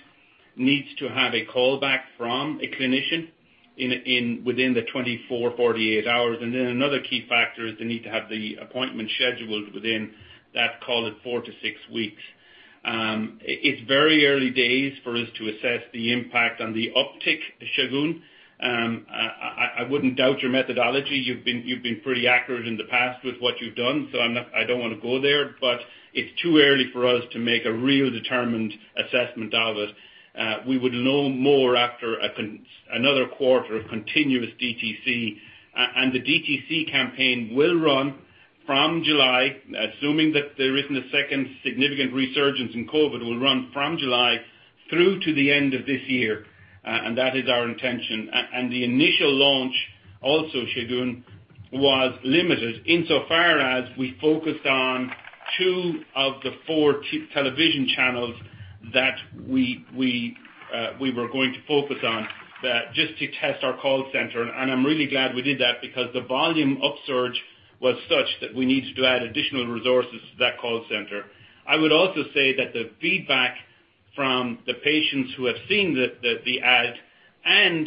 needs to have a call back from a clinician within the 24, 48 hours. Another key factor is they need to have the appointment scheduled within that, call it four to six weeks. It's very early days for us to assess the impact on the uptick, Shagun. I wouldn't doubt your methodology. You've been pretty accurate in the past with what you've done, so I don't want to go there, but it's too early for us to make a real determined assessment of it. We would know more after another quarter of continuous DTC. The DTC campaign will run from July, assuming that there isn't a second significant resurgence in COVID, will run from July through to the end of this year, and that is our intention. The initial launch also, Shagun, was limited insofar as we focused on two of the four television channels that we were going to focus on just to test our call center, and I'm really glad we did that because the volume upsurge was such that we needed to add additional resources to that call center. I would also say that the feedback from the patients who have seen the ad and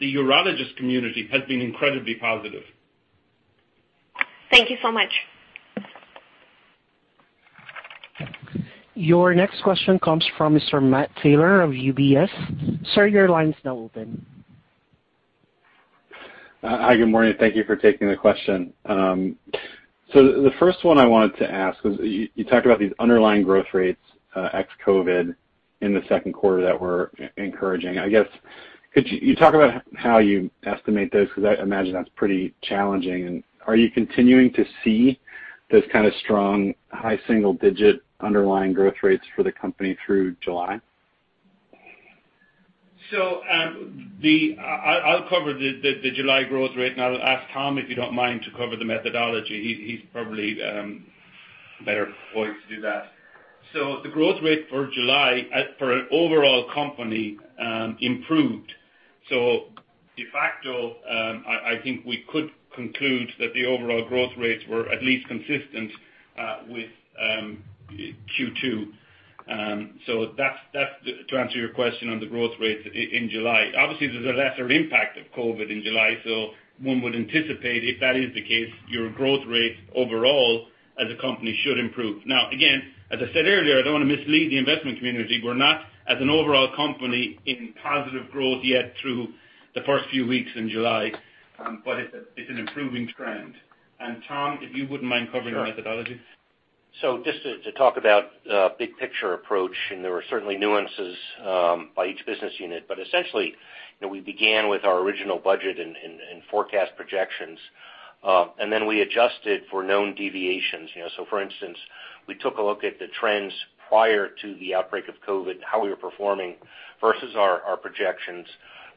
the urologist community has been incredibly positive. Thank you so much. Your next question comes from Mr. Matt Taylor of UBS. Sir, your line is now open. Hi, good morning. Thank you for taking the question. The first one I wanted to ask was, you talked about these underlying growth rates ex-COVID in the second quarter that were encouraging. Could you talk about how you estimate those? Because I imagine that's pretty challenging. Are you continuing to see those kind of strong, high single-digit underlying growth rates for the company through July? I'll cover the July growth rate, and I'll ask Tom, if you don't mind, to cover the methodology. He's probably better poised to do that. The growth rate for July for an overall company improved. De facto, I think we could conclude that the overall growth rates were at least consistent with Q2. That's to answer your question on the growth rates in July. Obviously, there's a lesser impact of COVID in July, so one would anticipate if that is the case, your growth rates overall as a company should improve. Again, as I said earlier, I don't want to mislead the investment community. We're not, as an overall company, in positive growth yet through the first few weeks in July. It's an improving trend. Tom, if you wouldn't mind covering the methodology. Sure. Just to talk about big picture approach, there were certainly nuances by each business unit. Essentially, we began with our original budget and forecast projections. Then we adjusted for known deviations. For instance, we took a look at the trends prior to the outbreak of COVID, how we were performing versus our projections.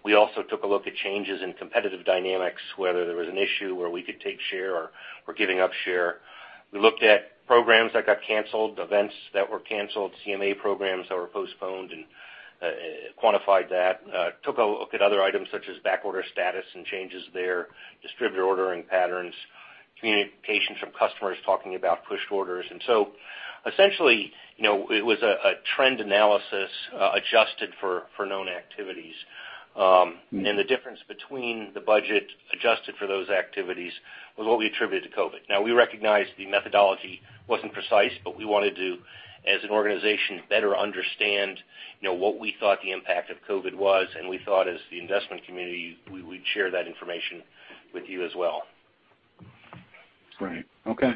We also took a look at changes in competitive dynamics, whether there was an issue where we could take share or were giving up share. We looked at programs that got canceled, events that were canceled, CME programs that were postponed and quantified that. Took a look at other items such as backorder status and changes there, distributor ordering patterns, communications from customers talking about pushed orders. Essentially, it was a trend analysis adjusted for known activities. The difference between the budget adjusted for those activities was what we attributed to COVID. Now, we recognize the methodology wasn't precise, but we wanted to, as an organization, better understand what we thought the impact of COVID was, and we thought as the investment community, we'd share that information with you as well. Right. Okay.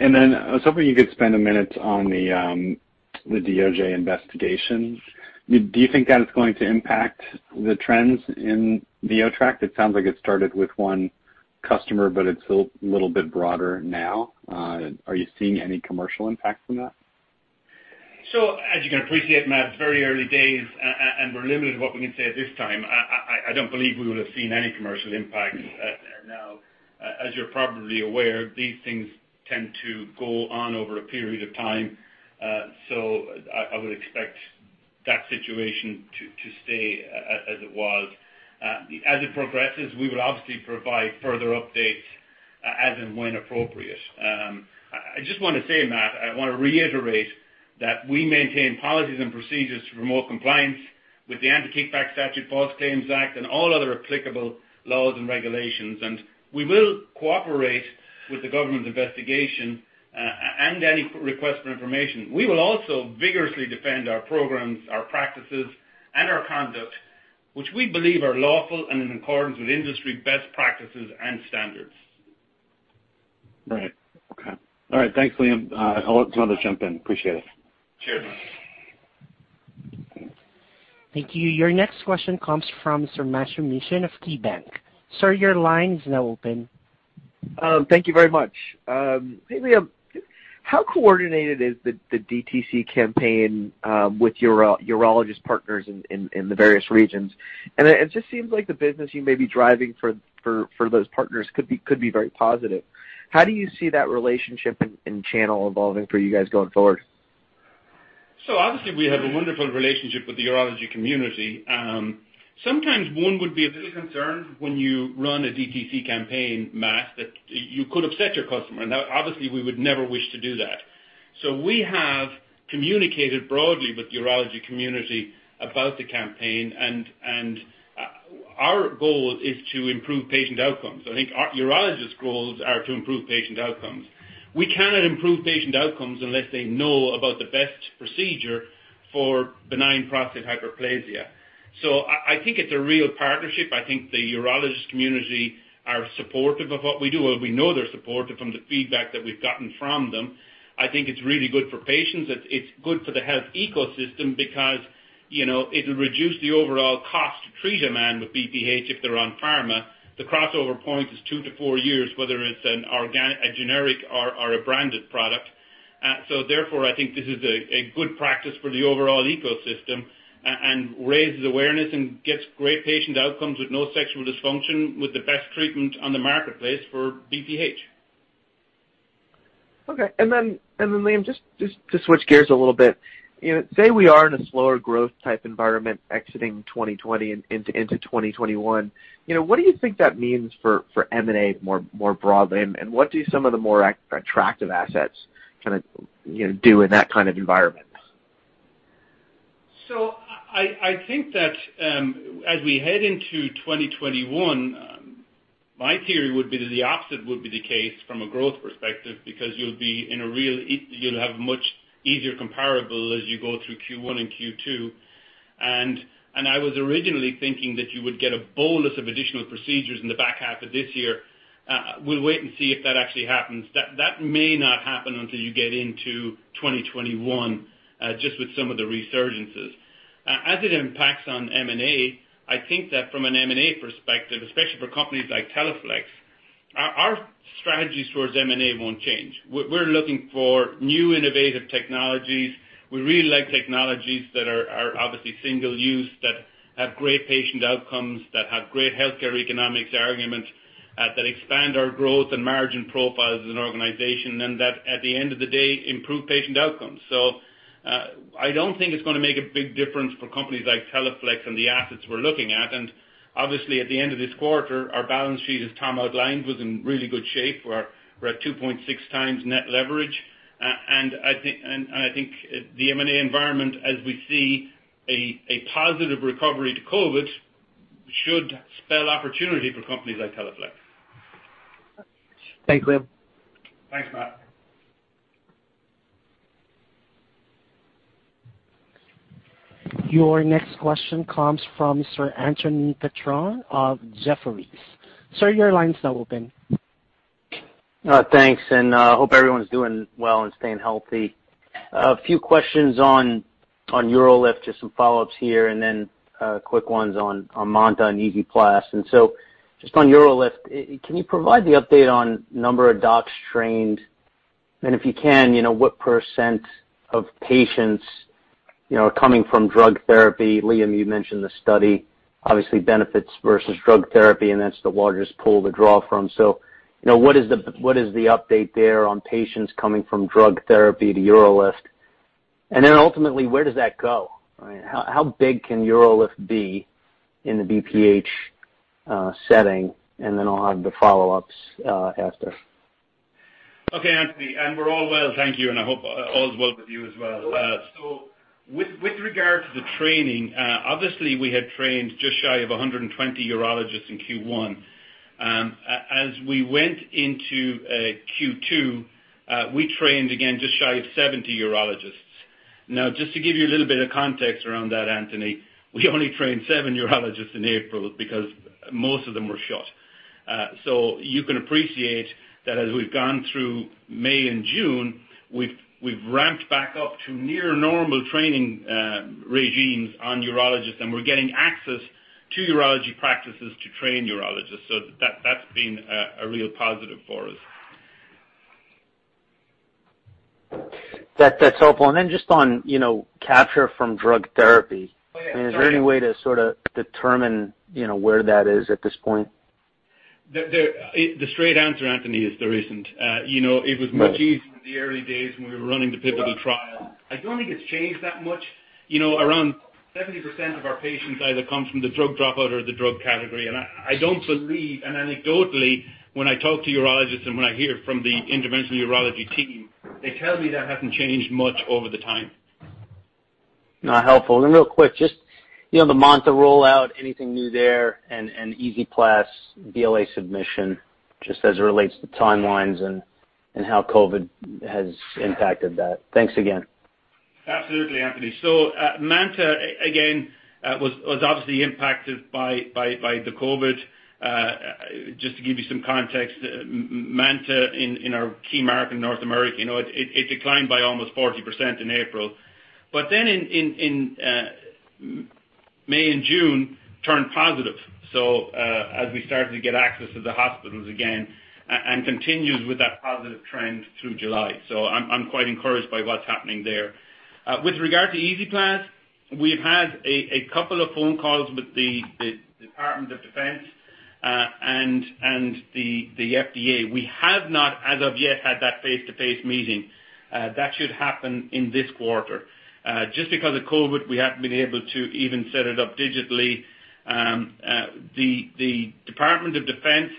I was hoping you could spend a minute on the DOJ investigation. Do you think that is going to impact the trends in the NeoTract? It sounds like it started with one customer, it's a little bit broader now. Are you seeing any commercial impact from that? As you can appreciate, Matt, it's very early days, and we're limited in what we can say at this time. I don't believe we would have seen any commercial impact now. As you're probably aware, these things tend to go on over a period of time. I would expect that situation to stay as it was. As it progresses, we would obviously provide further updates as and when appropriate. I just want to say, Matt, I want to reiterate that we maintain policies and procedures to promote compliance with the Anti-Kickback Statute, False Claims Act, and all other applicable laws and regulations. We will cooperate with the government investigation and any requests for information. We will also vigorously defend our programs, our practices, and our conduct, which we believe are lawful and in accordance with industry best practices and standards. Right. Okay. All right. Thanks, Liam. I'll let someone else jump in. Appreciate it. Cheers. Thank you. Your next question comes from Sir Matthew Mishan of KeyBanc. Sir, your line is now open. Thank you very much. Hey, Liam. How coordinated is the DTC campaign with your urologist partners in the various regions? It just seems like the business you may be driving for those partners could be very positive. How do you see that relationship and channel evolving for you guys going forward? Obviously we have a wonderful relationship with the urology community. Sometimes one would be a bit concerned when you run a DTC campaign, Matt, that you could upset your customer. Obviously, we would never wish to do that. We have communicated broadly with the urology community about the campaign, and our goal is to improve patient outcomes. I think urologists' goals are to improve patient outcomes. We cannot improve patient outcomes unless they know about the best procedure for benign prostate hyperplasia. I think it's a real partnership. I think the urologist community are supportive of what we do, or we know they're supportive from the feedback that we've gotten from them. I think it's really good for patients. It's good for the health ecosystem because it'll reduce the overall cost to treat a man with BPH if they're on pharma. The crossover point is two to four years, whether it's a generic or a branded product. Therefore, I think this is a good practice for the overall ecosystem and raises awareness and gets great patient outcomes with no sexual dysfunction, with the best treatment on the marketplace for BPH. Okay. Liam, just to switch gears a little bit. Say we are in a slower growth type environment exiting 2020 into 2021. What do you think that means for M&A more broadly, and what do some of the more attractive assets do in that kind of environment? I think that as we head into 2021, my theory would be that the opposite would be the case from a growth perspective, because you'll have much easier comparable as you go through Q1 and Q2. I was originally thinking that you would get a bolus of additional procedures in the back half of this year. We'll wait and see if that actually happens. That may not happen until you get into 2021, just with some of the resurgences. As it impacts on M&A, I think that from an M&A perspective, especially for companies like Teleflex, our strategy towards M&A won't change. We're looking for new innovative technologies. We really like technologies that are obviously single use, that have great patient outcomes, that have great healthcare economics argument, that expand our growth and margin profiles as an organization, and that at the end of the day, improve patient outcomes. I don't think it's going to make a big difference for companies like Teleflex and the assets we're looking at. Obviously, at the end of this quarter, our balance sheet, as Tom outlined, was in really good shape, we're at 2.6x net leverage. I think the M&A environment, as we see a positive recovery to COVID, should spell opportunity for companies like Teleflex. Thanks, Liam. Thanks, Matt. Your next question comes from Sir Anthony Petrone of Jefferies. Sir, your line is now open. Thanks, and hope everyone's doing well and staying healthy. A few questions on UroLift, just some follow-ups here, then quick ones on MANTA and EZ-PLAZ. Just on UroLift, can you provide the update on number of docs trained? If you can, what percent of patients coming from drug therapy, Liam, you mentioned the study, obviously benefits versus drug therapy, that's the largest pool to draw from. What is the update there on patients coming from drug therapy to UroLift? Ultimately, where does that go? How big can UroLift be in the BPH setting? Then I'll have the follow-ups after. Okay, Anthony. We're all well, thank you, and I hope all is well with you as well. With regard to the training, obviously we had trained just shy of 120 urologists in Q1. As we went into Q2, we trained again just shy of 70 urologists. Just to give you a little bit of context around that, Anthony, we only trained seven urologists in April because most of them were shut. You can appreciate that as we've gone through May and June, we've ramped back up to near normal training regimes on urologists, and we're getting access to urology practices to train urologists. That's been a real positive for us. That's helpful. Just on capture from drug therapy. Oh, yeah. Go ahead. Is there any way to sort of determine where that is at this point? The straight answer, Anthony, is there isn't. It was much easier in the early days when we were running the pivotal trial. I don't think it's changed that much around 70% of our patients either come from the drug dropout or the drug category. I don't believe, and anecdotally, when I talk to urologists and when I hear from the Interventional Urology team, they tell me that hasn't changed much over the time. No, helpful. Real quick, just the MANTA rollout, anything new there? EZ-PLAZ BLA submission, just as it relates to timelines and how COVID has impacted that. Thanks again. Absolutely, Anthony. MANTA, again, was obviously impacted by the COVID. Just to give you some context, MANTA in our key market in North America, it declined by almost 40% in April, in May and June turned positive. As we started to get access to the hospitals again, and continued with that positive trend through July. I'm quite encouraged by what's happening there. With regard to EZ-PLAZ, we've had a couple of phone calls with the Department of Defense, and the FDA. We have not, as of yet, had that face-to-face meeting. That should happen in this quarter. Just because of COVID, we haven't been able to even set it up digitally. The Department of Defense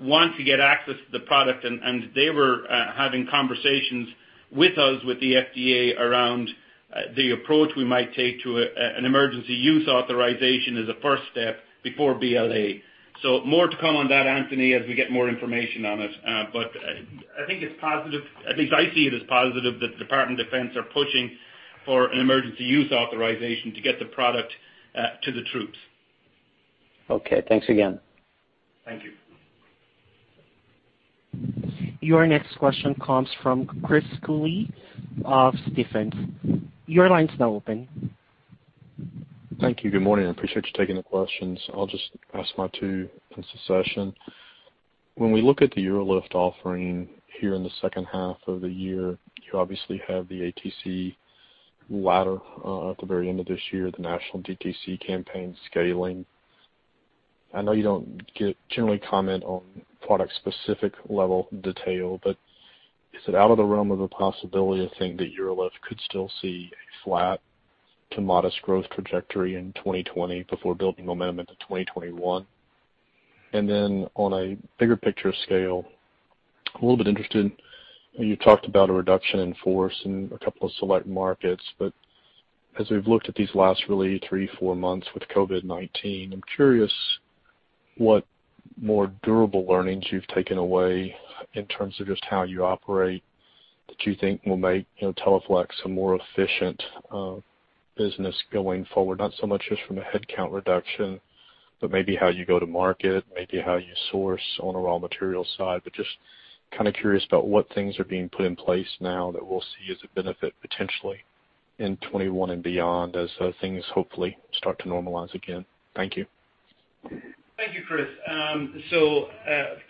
wants to get access to the product. They were having conversations with us, with the FDA, around the approach we might take to an emergency use authorization as a first step before BLA. More to come on that, Anthony, as we get more information on it. I think it's positive, at least I see it as positive that the Department of Defense are pushing for an emergency use authorization to get the product to the troops. Okay. Thanks again. Thank you. Your next question comes from Chris Cooley of Stephens. Your line's now open. Thank you. Good morning. I appreciate you taking the questions. I'll just ask my two in succession. When we look at the UroLift offering here in the second half of the year, you obviously have the ATC ladder at the very end of this year, the national DTC campaign scaling. I know you don't generally comment on product-specific level detail, but is it out of the realm of a possibility to think that UroLift could still see a flat to modest growth trajectory in 2020 before building momentum into 2021? On a bigger picture scale, a little bit interested, you talked about a reduction in force in a couple of select markets, but as we've looked at these last really three, four months with COVID-19, I'm curious what more durable learnings you've taken away in terms of just how you operate that you think will make Teleflex a more efficient business going forward? Not so much just from a headcount reduction, but maybe how you go to market, maybe how you source on a raw material side, but just kind of curious about what things are being put in place now that we'll see as a benefit potentially in 2021 and beyond as things hopefully start to normalize again. Thank you. Thank you, Chris.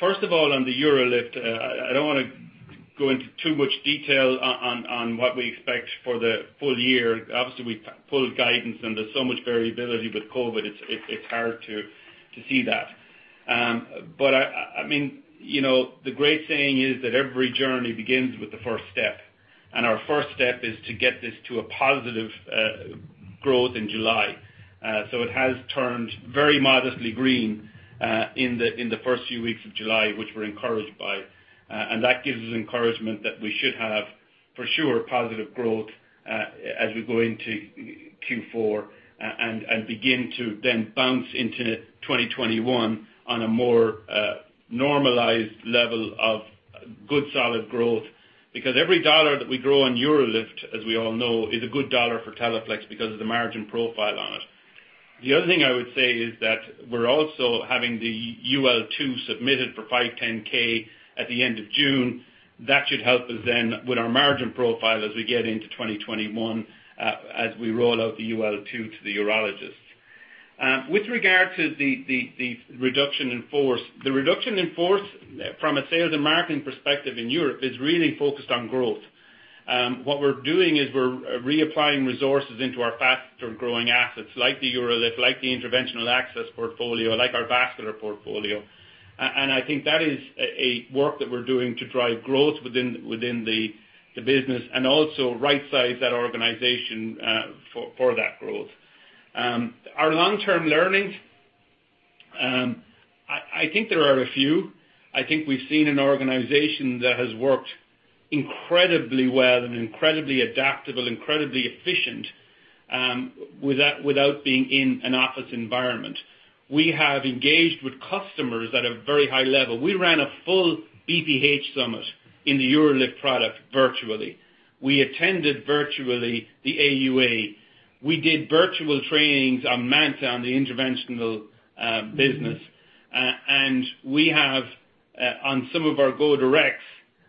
First of all, on the UroLift, I don't want to go into too much detail on what we expect for the full year. Obviously, we pulled guidance, and there's so much variability with COVID, it's hard to see that. The great saying is that every journey begins with the first step, and our first step is to get this to a positive growth in July. It has turned very modestly green in the first few weeks of July, which we're encouraged by. That gives us encouragement that we should have, for sure, positive growth as we go into Q4 and begin to then bounce into 2021 on a more normalized level of good, solid growth. Every dollar that we grow on UroLift, as we all know, is a good dollar for Teleflex because of the margin profile on it. The other thing I would say is that we're also having the UL2 submitted for 510(k) at the end of June. That should help us then with our margin profile as we get into 2021, as we roll out the UL2 to the urologists. With regard to the reduction in force, the reduction in force from a sales and marketing perspective in Europe is really focused on growth. What we're doing is we're reapplying resources into our faster-growing assets like the UroLift, like the Interventional Access portfolio, like our vascular portfolio. I think that is a work that we're doing to drive growth within the business and also rightsize that organization for that growth. Our long-term learnings, I think there are a few. I think we've seen an organization that has worked incredibly well and incredibly adaptable, incredibly efficient without being in an office environment. We have engaged with customers at a very high level. We ran a full BPH summit in the UroLift product virtually. We attended virtually the AUA. We did virtual trainings on MANTA on the interventional business. We have, on some of our go directs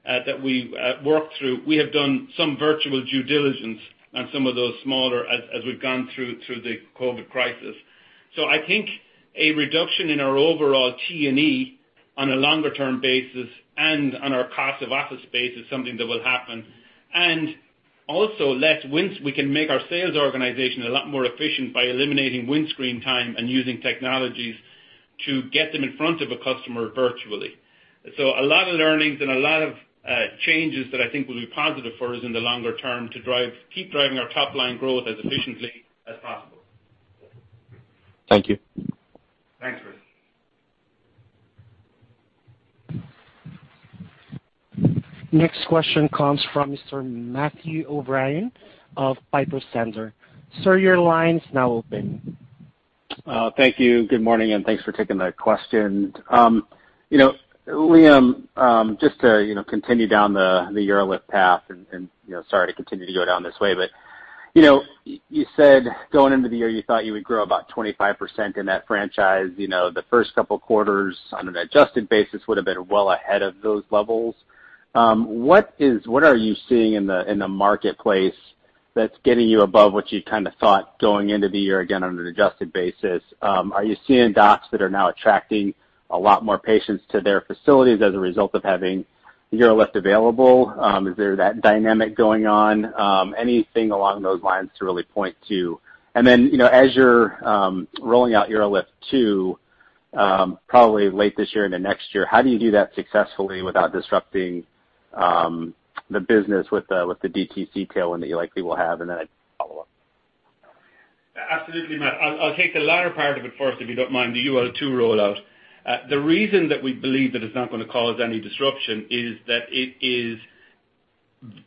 that we worked through, we have done some virtual due diligence on some of those smaller as we've gone through the COVID crisis. I think a reduction in our overall T&E on a longer-term basis and on our cost of office space is something that will happen. We can make our sales organization a lot more efficient by eliminating windscreen time and using technologies to get them in front of a customer virtually. A lot of learnings and a lot of changes that I think will be positive for us in the longer term to keep driving our top-line growth as efficiently as possible. Thank you. Thanks, Chris. Next question comes from Mr. Matthew O'Brien of Piper Sandler. Sir, your line's now open. Thank you. Good morning, thanks for taking the question. Liam, just to continue down the UroLift path, sorry to continue to go down this way, you said going into the year, you thought you would grow about 25% in that franchise. The first couple of quarters on an adjusted basis would have been well ahead of those levels. What are you seeing in the marketplace that's getting you above what you kind of thought going into the year again, on an adjusted basis? Are you seeing docs that are now attracting a lot more patients to their facilities as a result of having UroLift available? Is there that dynamic going on? Anything along those lines to really point to. As you're rolling out UroLift 2 probably late this year into next year, how do you do that successfully without disrupting the business with the DTC tailwind that you likely will have? I have follow-up. Absolutely, Matt. I'll take the latter part of it first, if you don't mind, the UL2 rollout. The reason that we believe that it's not going to cause any disruption is that it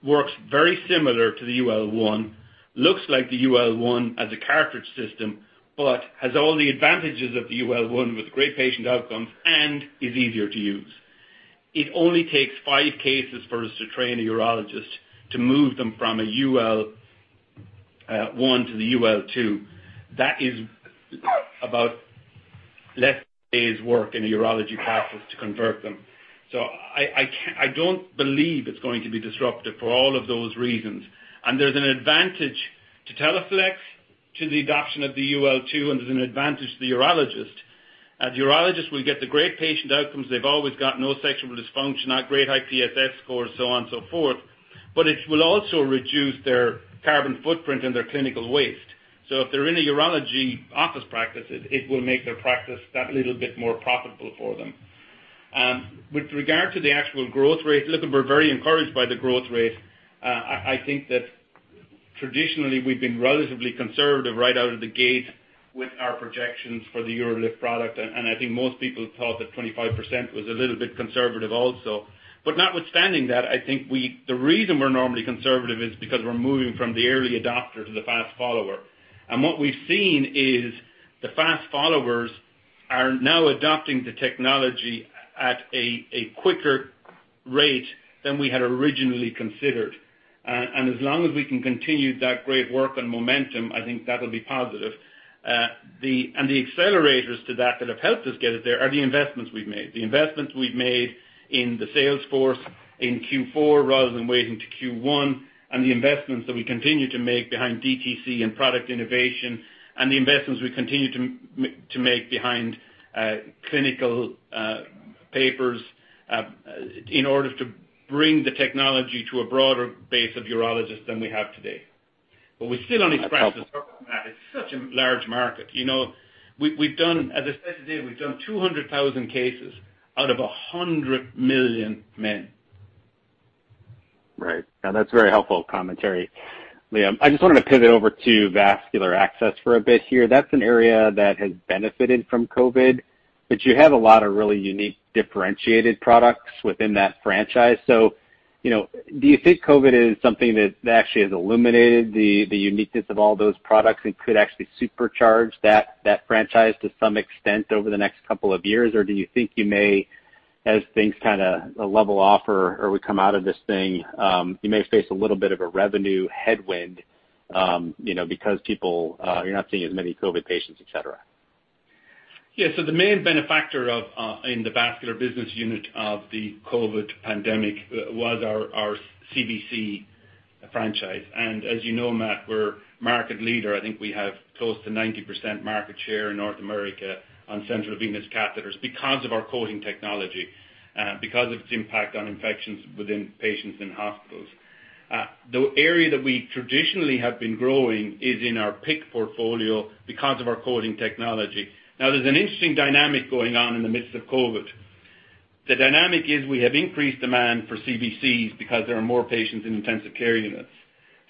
works very similar to the UL1, looks like the UL1 as a cartridge system, but has all the advantages of the UL1 with great patient outcomes and is easier to use. It only takes five cases for us to train a urologist to move them from a UL1 to the UL2. That is about less day's work in a urology practice to convert them. I don't believe it's going to be disruptive for all of those reasons. There's an advantage to Teleflex to the adoption of the UL2, and there's an advantage to the urologist. A urologist will get the great patient outcomes they've always got, no sexual dysfunction, great IPSS score, so on and so forth. It will also reduce their carbon footprint and their clinical waste. If they're in a urology office practice, it will make their practice that little bit more profitable for them. With regard to the actual growth rate, look, we're very encouraged by the growth rate. I think that traditionally we've been relatively conservative right out of the gate with our projections for the UroLift product, and I think most people thought that 25% was a little bit conservative also. Notwithstanding that, I think the reason we're normally conservative is because we're moving from the early adopter to the fast follower. What we've seen is the fast followers are now adopting the technology at a quicker rate than we had originally considered. As long as we can continue that great work and momentum, I think that'll be positive. The accelerators to that have helped us get it there are the investments we've made. The investments we've made in the sales force in Q4 rather than waiting to Q1, and the investments that we continue to make behind DTC and product innovation, and the investments we continue to make behind clinical papers in order to bring the technology to a broader base of urologists than we have today. We still only scratched the surface of that. It's such a large market. As I said today, we've done 200,000 cases out of 100 million men. Right. No, that's very helpful commentary. Liam, I just wanted to pivot over to vascular access for a bit here. That's an area that has benefited from COVID, but you have a lot of really unique, differentiated products within that franchise. Do you think COVID is something that actually has illuminated the uniqueness of all those products and could actually supercharge that franchise to some extent over the next couple of years? Do you think you may, as things kind of level off or we come out of this thing, you may face a little bit of a revenue headwind because you're not seeing as many COVID patients, et cetera? Yeah. The main benefactor in the vascular business unit of the COVID pandemic was our CVC franchise. As you know, Matt, we're market leader. I think we have close to 90% market share in North America on central venous catheters because of our coating technology, because of its impact on infections within patients in hospitals. The area that we traditionally have been growing is in our PICC portfolio because of our coating technology. Now, there's an interesting dynamic going on in the midst of COVID. The dynamic is we have increased demand for CVCs because there are more patients in intensive care units.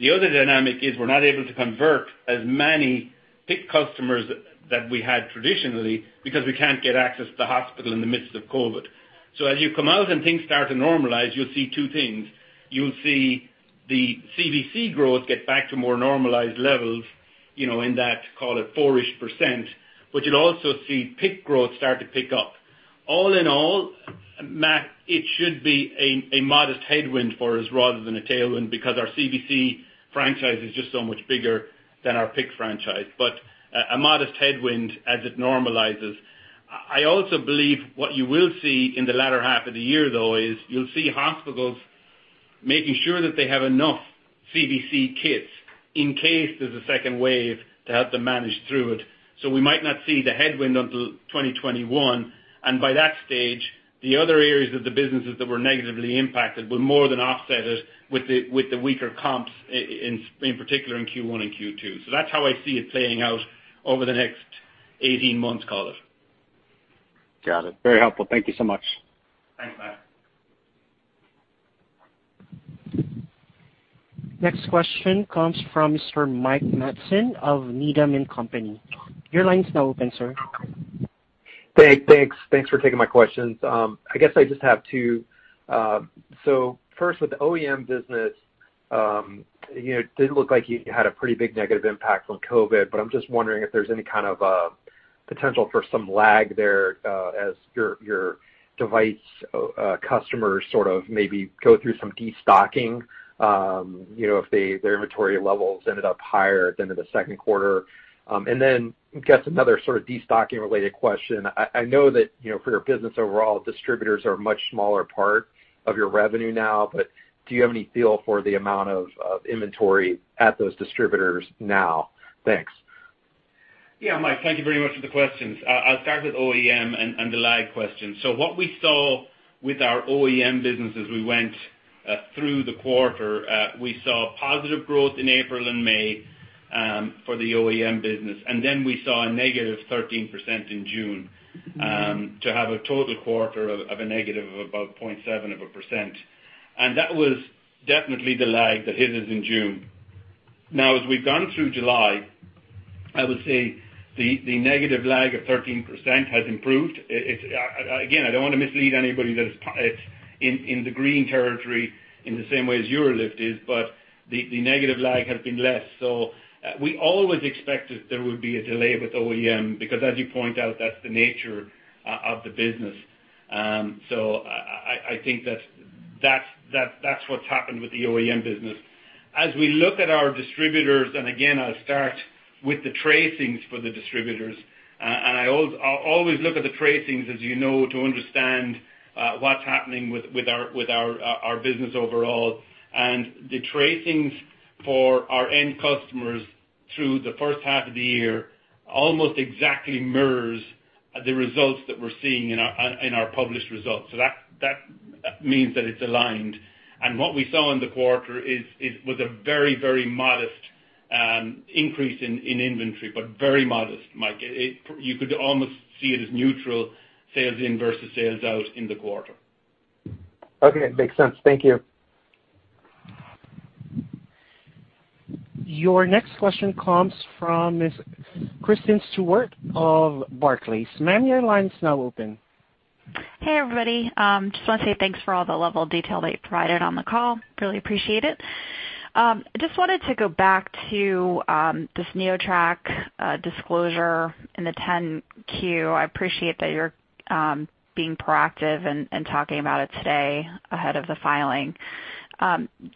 The other dynamic is we're not able to convert as many PICC customers that we had traditionally because we can't get access to the hospital in the midst of COVID. As you come out and things start to normalize, you'll see two things. You'll see the CVC growth get back to more normalized levels, in that, call it 4-ish%, but you'll also see PICC growth start to pick up. All in all, Matt, it should be a modest headwind for us rather than a tailwind because our CVC franchise is just so much bigger than our PICC franchise, but a modest headwind as it normalizes. I also believe what you will see in the latter half of the year, though, is you'll see hospitals making sure that they have enough CVC kits in case there's a second wave to help them manage through it. We might not see the headwind until 2021, and by that stage, the other areas of the businesses that were negatively impacted were more than offsetted with the weaker comps, in particular in Q1 and Q2. That's how I see it playing out over the next 18 months, call it. Got it. Very helpful. Thank you so much. Next question comes from Sir Mike Matson of Needham & Company. Your line is now open, sir. Hey, thanks for taking my questions. I guess I just have two. First, with the OEM business, it did look like you had a pretty big negative impact from COVID, but I'm just wondering if there's any kind of potential for some lag there as your device customers sort of maybe go through some destocking if their inventory levels ended up higher than in the second quarter. Then, I guess another sort of destocking-related question. I know that for your business overall, distributors are a much smaller part of your revenue now, but do you have any feel for the amount of inventory at those distributors now? Thanks. Yeah, Mike, thank you very much for the questions. I'll start with OEM and the lag question. What we saw with our OEM business as we went through the quarter, we saw positive growth in April and May for the OEM business. We saw a -13% in June to have a total quarter of a negative of about 0.7 of a percent. That was definitely the lag that hit us in June. Now, as we've gone through July, I would say the negative lag of -13% has improved. Again, I don't want to mislead anybody that it's in the green territory in the same way as UroLift is, but the negative lag has been less. We always expected there would be a delay with OEM because, as you point out, that's the nature of the business. I think that's what's happened with the OEM business. As we look at our distributors, again, I'll start with the tracings for the distributors. I always look at the tracings, as you know, to understand what's happening with our business overall. The tracings for our end customers through the first half of the year almost exactly mirrors the results that we're seeing in our published results. That means that it's aligned. What we saw in the quarter was a very modest increase in inventory, but very modest, Mike. You could almost see it as neutral sales in versus sales out in the quarter. Okay. Makes sense. Thank you. Your next question comes from Ms. Kristen Stewart of Barclays. Ma'am, your line is now open. Hey, everybody. I just want to say thanks for all the level of detail that you provided on the call. Really appreciate it. Just wanted to go back to this NeoTract disclosure in the 10-Q. I appreciate that you're being proactive and talking about it today ahead of the filing.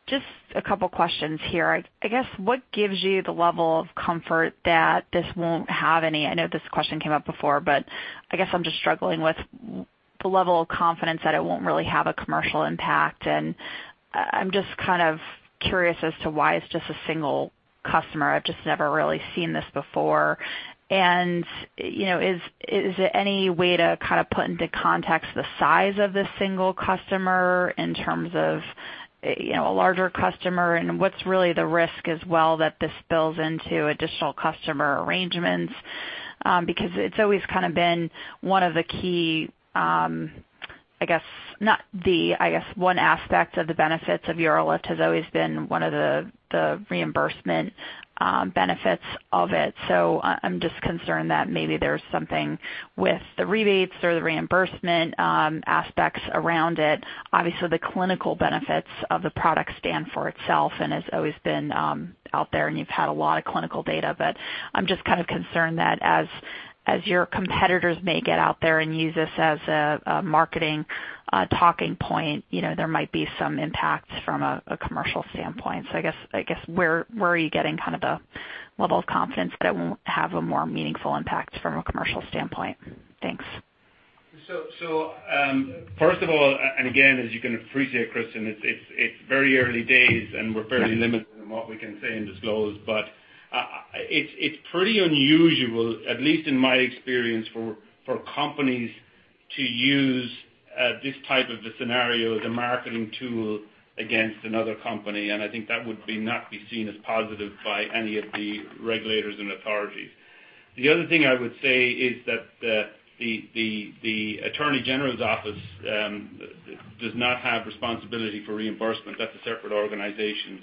Just a couple of questions here. I guess, what gives you the level of comfort that this won't have any-- I know this question came up before, but I guess I'm just struggling with the level of confidence that it won't really have a commercial impact. I'm just kind of curious as to why it's just a single customer. I've just never really seen this before. Is there any way to kind of put into context the size of this single customer in terms of a larger customer and what's really the risk as well that this spills into additional customer arrangements? It's always kind of been one of the key, I guess one aspect of the benefits of UroLift has always been one of the reimbursement benefits of it. I'm just concerned that maybe there's something with the rebates or the reimbursement aspects around it. Obviously, the clinical benefits of the product stand for itself and has always been out there, and you've had a lot of clinical data. I'm just kind of concerned that as your competitors may get out there and use this as a marketing talking point, there might be some impacts from a commercial standpoint. I guess, where are you getting kind of the level of confidence that it won't have a more meaningful impact from a commercial standpoint? Thanks. First of all, again, as you can appreciate, Kristen, it's very early days, and we're fairly limited in what we can say and disclose. It's pretty unusual, at least in my experience, for companies to use this type of a scenario as a marketing tool against another company. I think that would not be seen as positive by any of the regulators and authorities. The other thing I would say is that the Attorney General's office does not have responsibility for reimbursement. That's a separate organization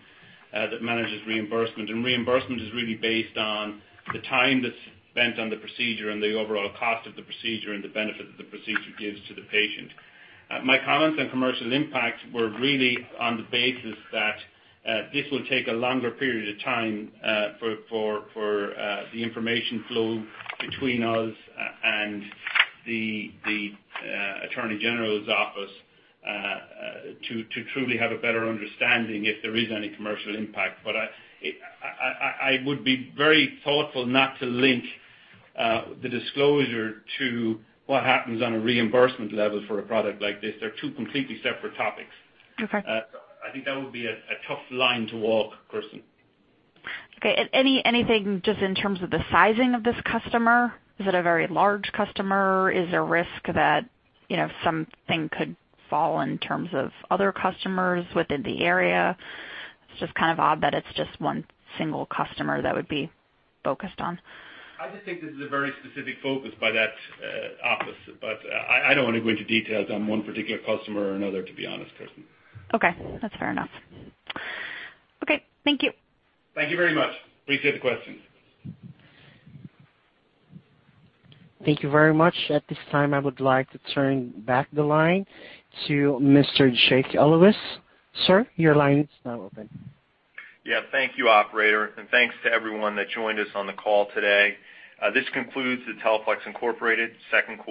that manages reimbursement. Reimbursement is really based on the time that's spent on the procedure and the overall cost of the procedure and the benefit that the procedure gives to the patient. My comments on commercial impact were really on the basis that this will take a longer period of time for the information flow between us and the Attorney General's office to truly have a better understanding if there is any commercial impact. I would be very thoughtful not to link the disclosure to what happens on a reimbursement level for a product like this. They're two completely separate topics. Okay. I think that would be a tough line to walk, Kristen. Okay. Anything just in terms of the sizing of this customer? Is it a very large customer? Is there a risk that something could fall in terms of other customers within the area? It's just kind of odd that it's just one single customer that would be focused on. I just think this is a very specific focus by that office, but I don't want to go into details on one particular customer or another, to be honest, Kristen. Okay. That's fair enough. Okay. Thank you. Thank you very much. Appreciate the question. Thank you very much. At this time, I would like to turn back the line to Mr. Jake Elguicze. Sir, your line is now open. Yeah. Thank you, operator, and thanks to everyone that joined us on the call today. This concludes the Teleflex Incorporated second quarter.